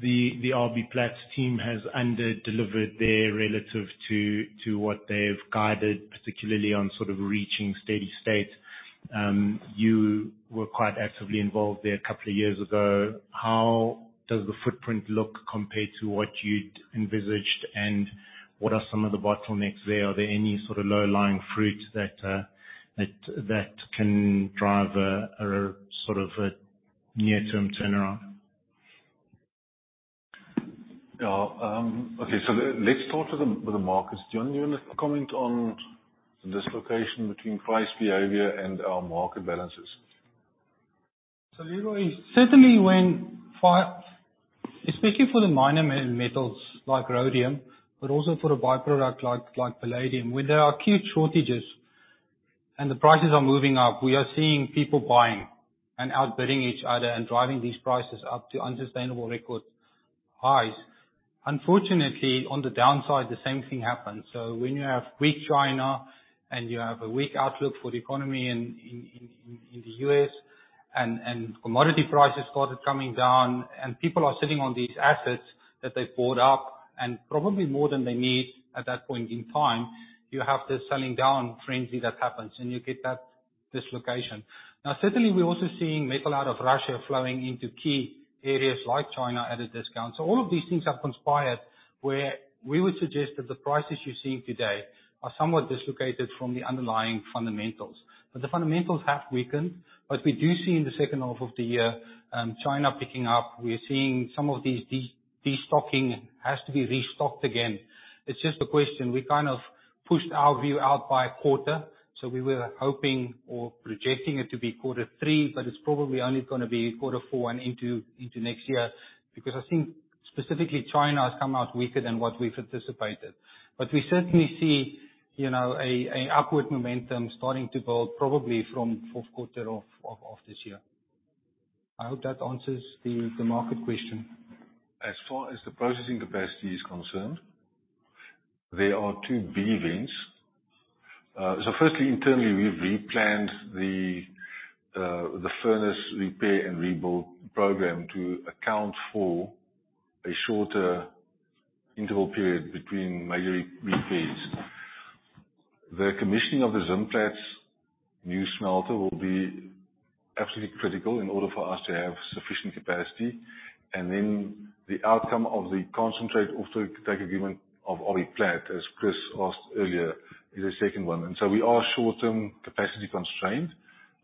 The RBPlat team has underdelivered there relative to what they've guided, particularly on sort of reaching steady state. You were quite actively involved there a couple of years ago. How does the footprint look compared to what you'd envisaged, and what are some of the bottlenecks there? Are there any sort of low-hanging fruit that can drive a sort of a near-term turnaround? Yeah. Okay, so let's talk to the markets. Johan, do you want to comment on the dislocation between price behavior and our market balances? So Leroy, certainly, especially for the minor metals like rhodium, but also for a by-product like palladium, when there are acute shortages and the prices are moving up, we are seeing people buying and outbidding each other and driving these prices up to unsustainable record highs. Unfortunately, on the downside, the same thing happens. So when you have weak China and you have a weak outlook for the economy in the U.S., and commodity prices started coming down, and people are sitting on these assets that they've bought up, and probably more than they need at that point in time, you have this selling down frenzy that happens, and you get that dislocation. Now, certainly, we're also seeing metal out of Russia flowing into key areas like China at a discount. So all of these things have conspired, where we would suggest that the prices you're seeing today are somewhat dislocated from the underlying fundamentals. But the fundamentals have weakened, but we do see in the second half of the year, China picking up. We are seeing some of these destocking has to be restocked again. It's just a question. We kind of pushed our view out by a quarter, so we were hoping or projecting it to be quarter three, but it's probably only gonna be quarter four and into next year, because I think specifically, China has come out weaker than what we've anticipated. But we certainly see, you know, an upward momentum starting to build probably from fourth quarter of this year. I hope that answers the market question. As far as the processing capacity is concerned, there are two big events. So firstly, internally, we've replanned the the furnace repair and rebuild program to account for a shorter interval period between major repairs. The commissioning of the Zimplats new smelter will be absolutely critical in order for us to have sufficient capacity, and then the outcome of the concentrate offtake from RBPlat, as Chris asked earlier, is the second one. And so we are short-term capacity constrained.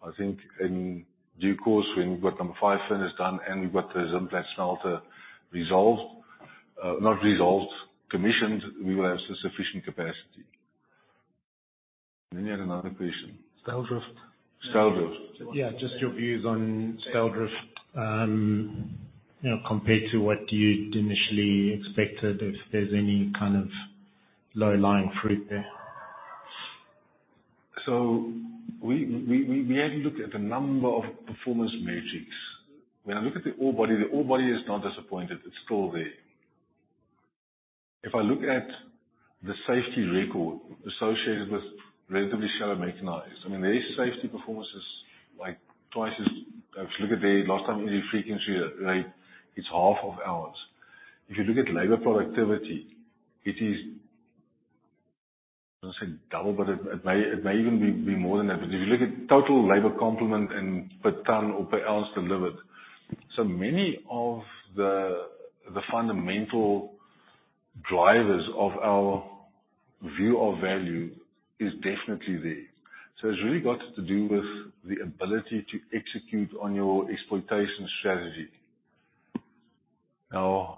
I think in due course, when we've got number five furnace done and we've got the Zimplats smelter resolved, not resolved, commissioned, we will have sufficient capacity. Then you had another question. Styldrift. Styldrift. Yeah, just your views on Styldrift, you know, compared to what you'd initially expected, if there's any kind of low-hanging fruit there.... So we had looked at a number of performance metrics. When I look at the ore body, the ore body is not disappointed. It's still there. If I look at the safety record associated with relatively shallow mechanized, I mean, their safety performance is like twice as-- If you look at their lost time injury frequency rate, it's half of ours. If you look at labor productivity, it is, let's say, double, but it may even be more than that. But if you look at total labor complement and per ton or per ounce delivered, so many of the fundamental drivers of our view of value is definitely there. So it's really got to do with the ability to execute on your exploitation strategy. Now,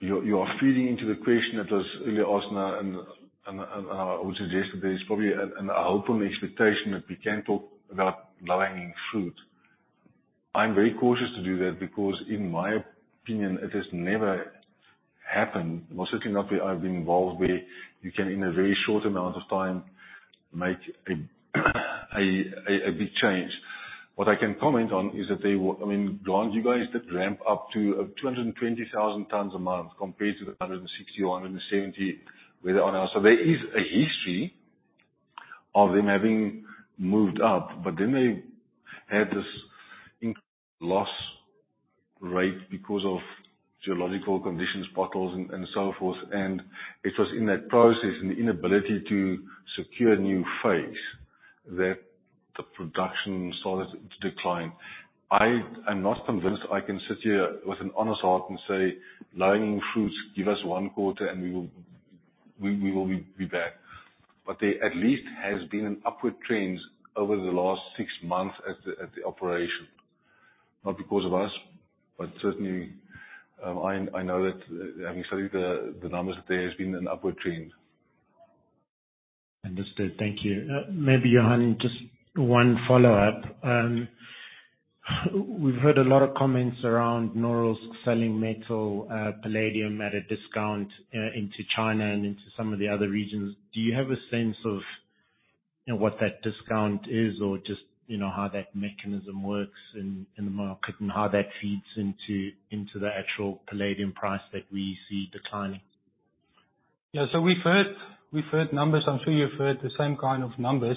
you are feeding into the question that was earlier asked, and I would suggest that there's probably an open expectation that we can talk about low-hanging fruit. I'm very cautious to do that because, in my opinion, it has never happened, most certainly not where I've been involved, where you can, in a very short amount of time, make a big change. What I can comment on is that they will. I mean, granted, you guys did ramp up to 220,000 tons a month, compared to the 160 or 170 with [Onaza]. So there is a history of them having moved up, but then they had this increased loss rate because of geological conditions, bottlenecks and so forth. It was in that process, and the inability to secure new face, that the production started to decline. I am not convinced I can sit here with an honest heart and say, "Low-hanging fruits, give us one quarter and we will, we, we will be, be back." But there at least has been an upward trend over the last six months at the operation. Not because of us, but certainly, I know that having studied the numbers, that there has been an upward trend. Understood. Thank you. Maybe, Johan, just one follow-up. We've heard a lot of comments around Norilsk selling metal, palladium at a discount, into China and into some of the other regions. Do you have a sense of, you know, what that discount is or just, you know, how that mechanism works in, in the market, and how that feeds into, into the actual palladium price that we see declining? Yeah. So we've heard, we've heard numbers. I'm sure you've heard the same kind of numbers.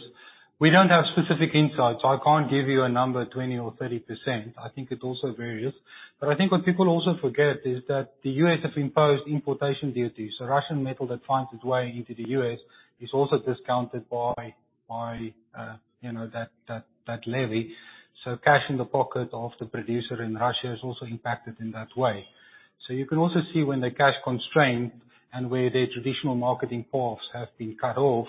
We don't have specific insights, so I can't give you a number, 20% or 30%. I think it also varies. But I think what people also forget is that the US have imposed importation duties. So Russian metal that finds its way into the US is also discounted by, you know, that levy. So cash in the pocket of the producer in Russia is also impacted in that way. So you can also see when they're cash constrained and where their traditional marketing paths have been cut off,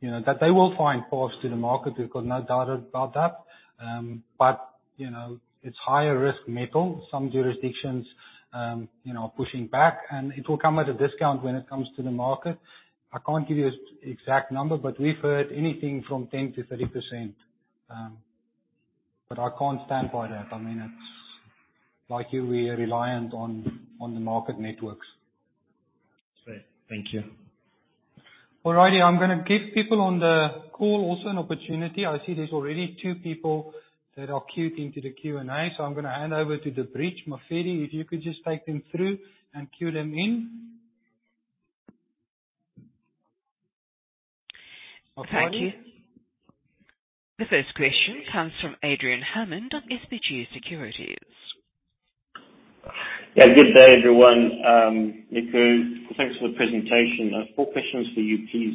you know, that they will find paths to the market. We've got no doubt about that. But, you know, it's higher risk metal. Some jurisdictions, you know, are pushing back, and it will come at a discount when it comes to the market. I can't give you an exact number, but we've heard anything from 10%-30%. But I can't stand by that. I mean, it's like you, we are reliant on the market networks. Great. Thank you. All righty. I'm gonna give people on the call also an opportunity. I see there's already two people that are queued into the Q&A, so I'm gonna hand over to the bridge. Mafedi, if you could just take them through and queue them in. Mafedi? Thank you. The first question comes from Adrian Hammond of SBG Securities. Yeah, good day, everyone. Nico, thanks for the presentation. I have four questions for you, please.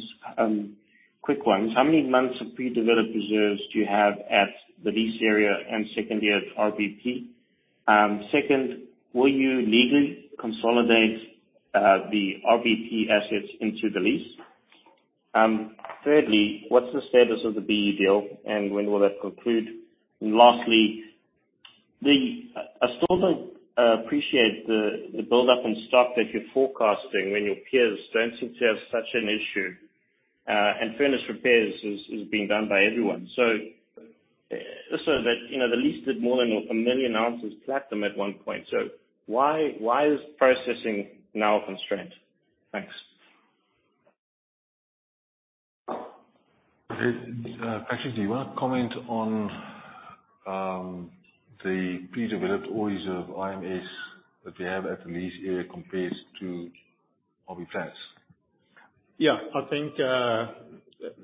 Quick ones. How many months of pre-developed reserves do you have at the lease area and secondly, at RBP? Second, will you legally consolidate the RBP assets into the lease? Thirdly, what's the status of the BEE deal, and when will that conclude? And lastly, I still don't appreciate the buildup in stock that you're forecasting when your peers don't seem to have such an issue, and furnace repairs is being done by everyone. So, so that, you know, the lease did more than 1 million ounces platinum at one point. So why is processing now a constraint? Thanks. Actually, do you want to comment on the pre-developed ore reserve IMS that we have at the lease area compared to RBPlat's? Yeah. I think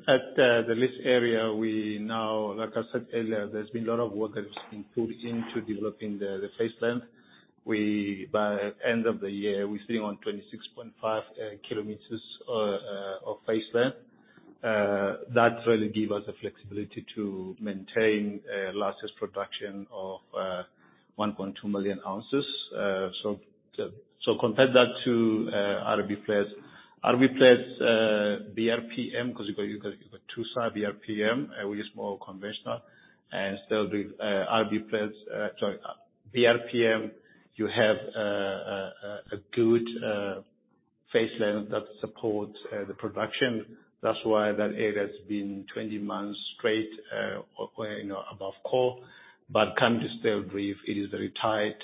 at the lease area, we now—like I said earlier, there's been a lot of work that's been put into developing the face length. By end of the year, we're sitting on 26.5 kilometers of face length. That really give us the flexibility to maintain last year's production of 1.2 million ounces. So compare that to RBPlat. RBPlat BRPM, because you've got two side BRPM, we use more conventional. And so with RBPlat, sorry, BRPM, you have a good face length that supports the production. That's why that area has been 20 months straight, you know, above core, but can still breathe. It is very tight.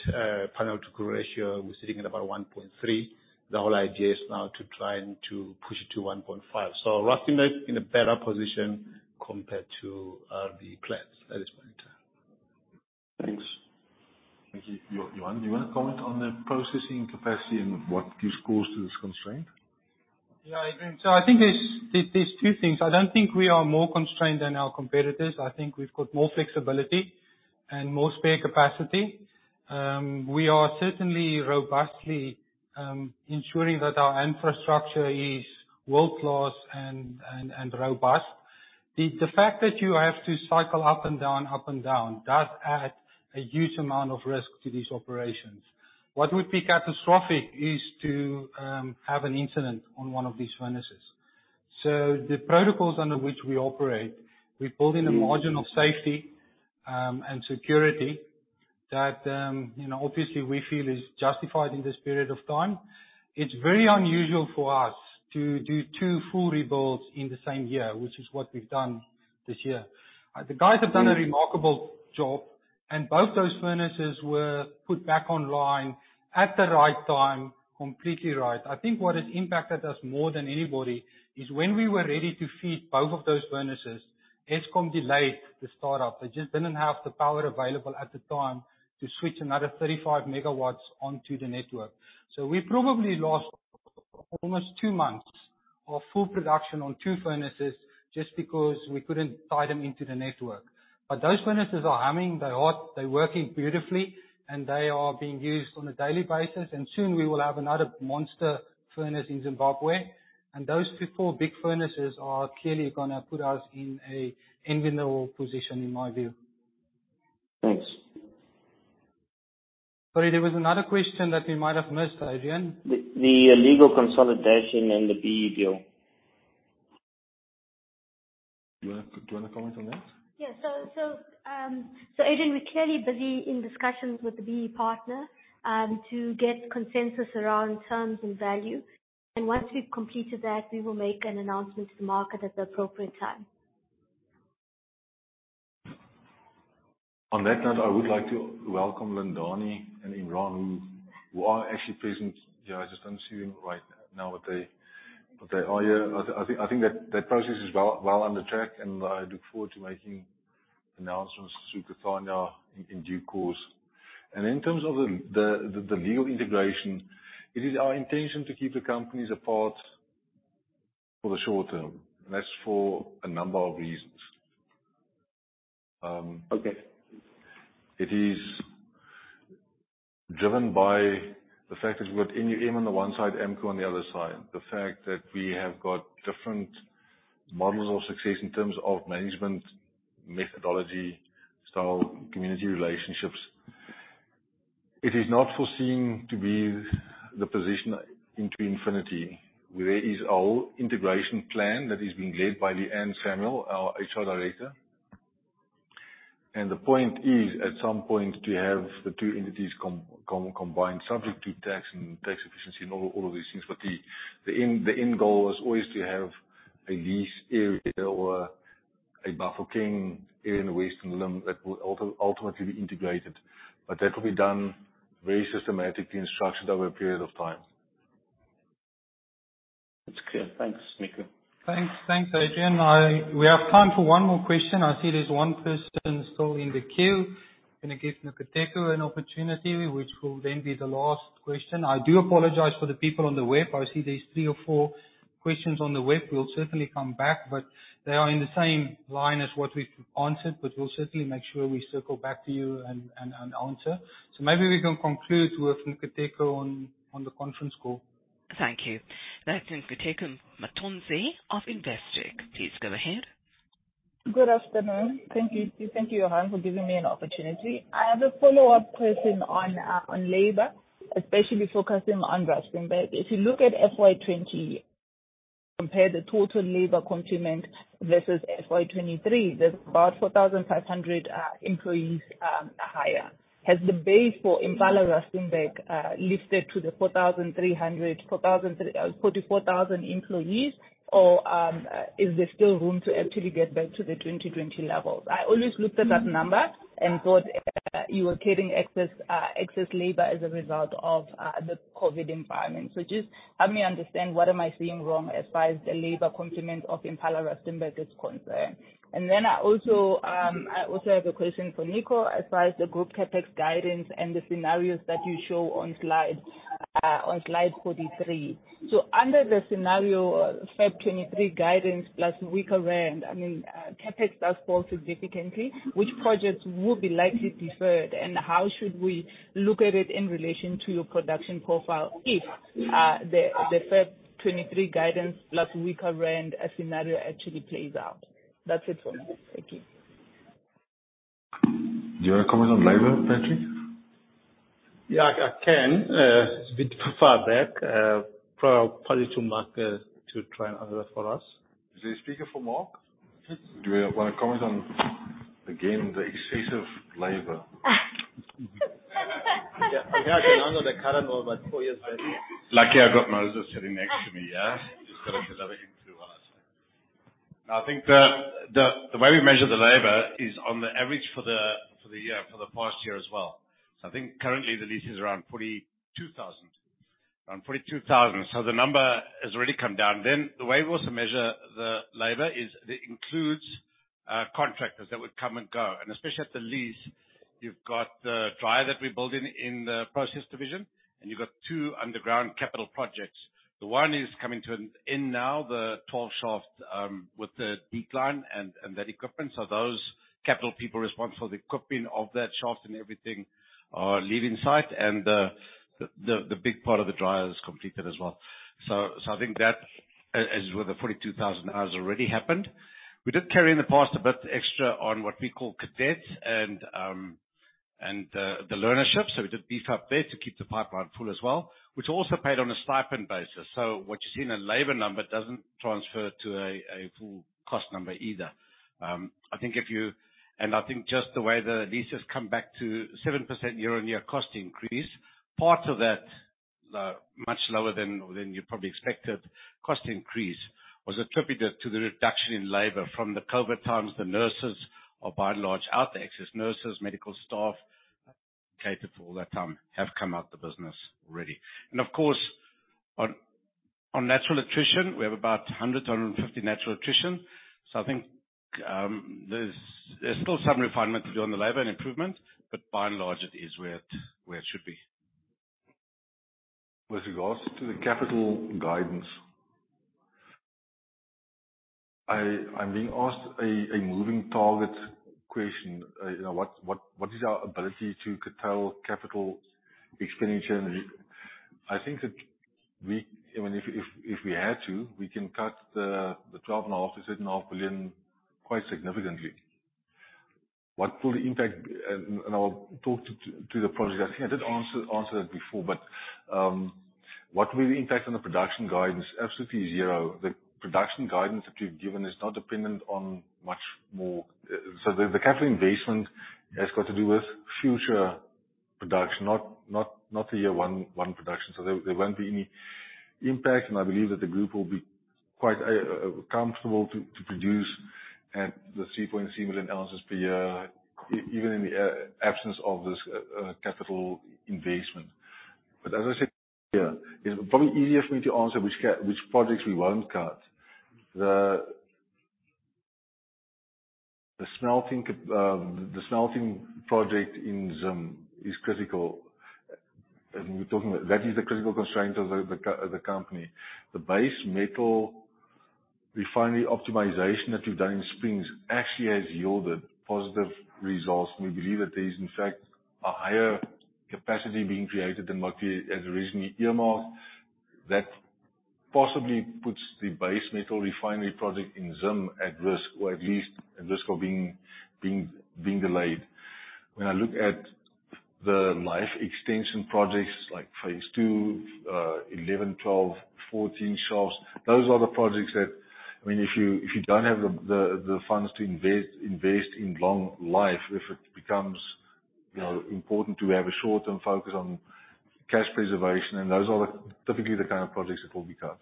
[Final two] ratio, we're sitting at about 1.3. The whole idea is now to try and to push it to 1.5. So Rustenburg in a better position compared to the Plats at this point.... Thank you. Johan, do you wanna comment on the processing capacity and what gives cause to this constraint? Yeah, Adrian, so I think there's two things. I don't think we are more constrained than our competitors. I think we've got more flexibility and more spare capacity. We are certainly robustly ensuring that our infrastructure is world-class and robust. The fact that you have to cycle up and down, up and down, does add a huge amount of risk to these operations. What would be catastrophic is to have an incident on one of these furnaces. So the protocols under which we operate, we build in a margin of safety and security that, you know, obviously we feel is justified in this period of time. It's very unusual for us to do two full rebuilds in the same year, which is what we've done this year. The guys have done a remarkable job, and both those furnaces were put back online at the right time, completely right. I think what has impacted us more than anybody is when we were ready to feed both of those furnaces, Eskom delayed the startup. They just didn't have the power available at the time to switch another 35 megawatts onto the network. So we probably lost almost two months of full production on two furnaces just because we couldn't tie them into the network. But those furnaces are humming, they're hot, they're working beautifully, and they are being used on a daily basis. And soon we will have another monster furnace in Zimbabwe. And those three, four big furnaces are clearly gonna put us in an enviable position, in my view. Thanks. Sorry, there was another question that we might have missed, Adrian. The legal consolidation and the BEE deal. Do you wanna comment on that? Yeah. So, Adrian, we're clearly busy in discussions with the BEE partner to get consensus around terms and value. And once we've completed that, we will make an announcement to the market at the appropriate time. On that note, I would like to welcome Lindani and Imran, who are actually present here. I just don't see them right now, but they are here. I think that process is well under track, and I look forward to making announcements through Kathania in due course. And in terms of the legal integration, it is our intention to keep the companies apart for the short term. And that's for a number of reasons. Okay. It is driven by the fact that we've got NUM on the one side, AMCU on the other side. The fact that we have got different models of success in terms of management, methodology, style, community relationships. It is not foreseen to be the position into infinity. There is a whole integration plan that is being led by Lee-Ann Samuel, our HR director. And the point is, at some point, to have the two entities combined, subject to tax and tax efficiency and all of these things. But the end goal is always to have a lease area or a Bafokeng area in the Western Limb that will ultimately be integrated. But that will be done very systematically and structured over a period of time. It's clear. Thanks, Nico. Thanks. Thanks, Adrian. We have time for one more question. I see there's one person still in the queue. I'm gonna give Nkateko an opportunity, which will then be the last question. I do apologize for the people on the web. I see there's three or four questions on the web. We'll certainly come back, but they are in the same line as what we've answered. But we'll certainly make sure we circle back to you and answer. So maybe we can conclude with Nkateko on the conference call. Thank you. That's Nkateko Mathonsi of Investec. Please go ahead. Good afternoon. Thank you. Thank you, Johan, for giving me an opportunity. I have a follow-up question on, on labor, especially focusing on Rustenburg. If you look at FY 2020, compare the total labor complement versus FY 2023, there's about 4,500 employees higher. Has the base for Impala Rustenburg lifted to the 43,000, 44,000 employees, or is there still room to actually get back to the 2020 levels? I always looked at that number and thought you were carrying excess excess labor as a result of the COVID environment. So just help me understand, what am I seeing wrong as far as the labor complement of Impala Rustenburg is concerned. I have a question for Nico, as far as the group CapEx guidance and the scenarios that you show on slide 43. So under the scenario, Feb 2023 guidance plus weaker rand, I mean, CapEx does fall significantly. Which projects will be likely deferred, and how should we look at it in relation to your production profile if the Feb 2023 guidance plus weaker rand scenario actually plays out? That's it for me. Thank you. Do you wanna comment on labor, Patrick? Yeah, I, I can. It's a bit far back for probably Mark to try and answer that for us. Is the speaker for Mark? Do you wanna comment on, again, the excessive labor? Yeah. Yeah, I can answer the current one, but four years back. Lucky I've got Moses sitting next to me, yeah? He's gonna give another input. I think the way we measure the labor is on the average for the year, for the past year as well. So I think currently the lease is around 42,000.... around 42,000. So the number has already come down. Then, the way we also measure the labor is, it includes contractors that would come and go. And especially at the lease, you've got the dryer that we're building in the process division, and you've got two underground capital projects. The one is coming to an end now, the tall shaft with the decline and that equipment. So those capital people responsible for the equipping of that shaft and everything are leaving site, and the big part of the dryer is completed as well. So I think that as with the 42,000 hours already happened. We did carry in the past a bit extra on what we call cadets and the learnership. So we did beef up there to keep the pipeline full as well, which also paid on a stipend basis. So what you see in a labor number doesn't transfer to a full cost number either. I think if you and I think just the way the least has come back to 7% year-on-year cost increase, part of that much lower than you probably expected cost increase, was attributed to the reduction in labor from the COVID times. The nurses are, by and large, out there. Excess nurses, medical staff, catered for all that time, have come out the business already. And of course, on natural attrition, we have about 100-150 natural attrition. I think, there's still some refinement to do on the labor and improvement, but by and large, it is where it should be. With regards to the capital guidance, I'm being asked a moving target question. You know, what is our ability to curtail capital expenditure? And I think that we... I mean, if we had to, we can cut the 12.5 billion-13.5 billion quite significantly. What will the impact— And I'll talk to the project. I did answer it before, but what will the impact on the production guidance? Absolutely zero. The production guidance that we've given is not dependent on much more. So the capital investment has got to do with future production, not the year one production. So there won't be any impact, and I believe that the group will be quite comfortable to produce at the 3.7 million ounces per year, even in the absence of this capital investment. But as I said here, it's probably easier for me to answer which projects we won't cut. The smelting project in Zim is critical. And we're talking about that is the critical constraint of the company. The base metal refinery optimization that we've done in Springs actually has yielded positive results. We believe that there is, in fact, a higher capacity being created than what we had originally earmarked. That possibly puts the base metal refinery project in Zim at risk, or at least at risk of being delayed. When I look at the life extension projects like Phase 2, 11, 12, 14 shafts, those are the projects that, I mean, if you don't have the funds to invest in long life, if it becomes, you know, important to have a short-term focus on cash preservation, and those are the typically the kind of projects that will be cut.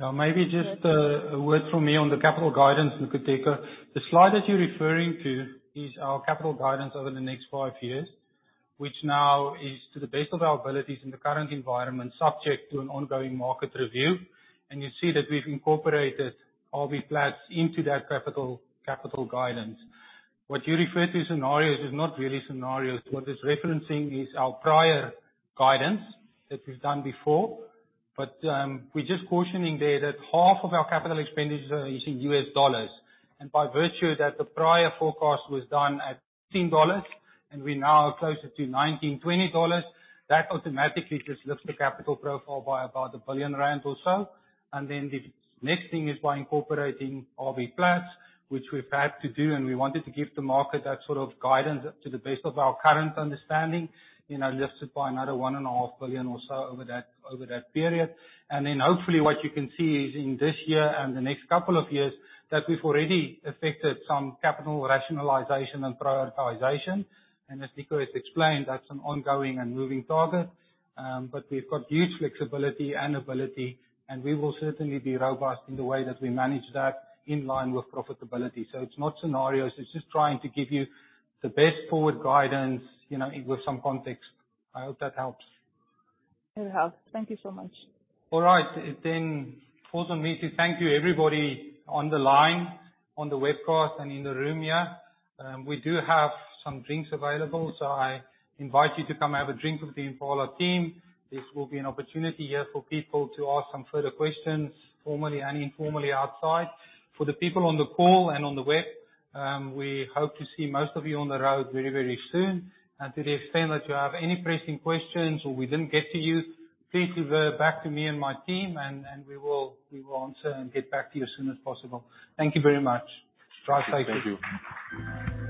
Now, maybe just a word from me on the capital guidance, Nico. The slide that you're referring to is our capital guidance over the next five years, which now is to the best of our abilities in the current environment, subject to an ongoing market review. You see that we've incorporated RBPlat into that capital, capital guidance. What you refer to as scenarios is not really scenarios. What it's referencing is our prior guidance that we've done before, but we're just cautioning there that half of our capital expenditures are in U.S. dollars. By virtue that the prior forecast was done at 16 dollars, and we're now closer to 19, 20 dollars, that automatically just lifts the capital profile by about 1 billion rand or so. And then the next thing is by incorporating RBPlat, which we've had to do, and we wanted to give the market that sort of guidance to the best of our current understanding, you know, lifted by another 1.5 billion or so over that, over that period. And then hopefully, what you can see is in this year and the next couple of years, that we've already affected some capital rationalization and prioritization. And as Nico has explained, that's an ongoing and moving target. But we've got huge flexibility and ability, and we will certainly be robust in the way that we manage that in line with profitability. So it's not scenarios, it's just trying to give you the best forward guidance, you know, with some context. I hope that helps. It helps. Thank you so much. All right. Then it falls on me to thank you, everybody on the line, on the webcast, and in the room here. We do have some drinks available, so I invite you to come have a drink with the Impala team. This will be an opportunity here for people to ask some further questions, formally and informally outside. For the people on the call and on the web, we hope to see most of you on the road very, very soon. And to the extent that you have any pressing questions or we didn't get to you, please revert back to me and my team, and we will answer and get back to you as soon as possible. Thank you very much. Drive safe. Thank you.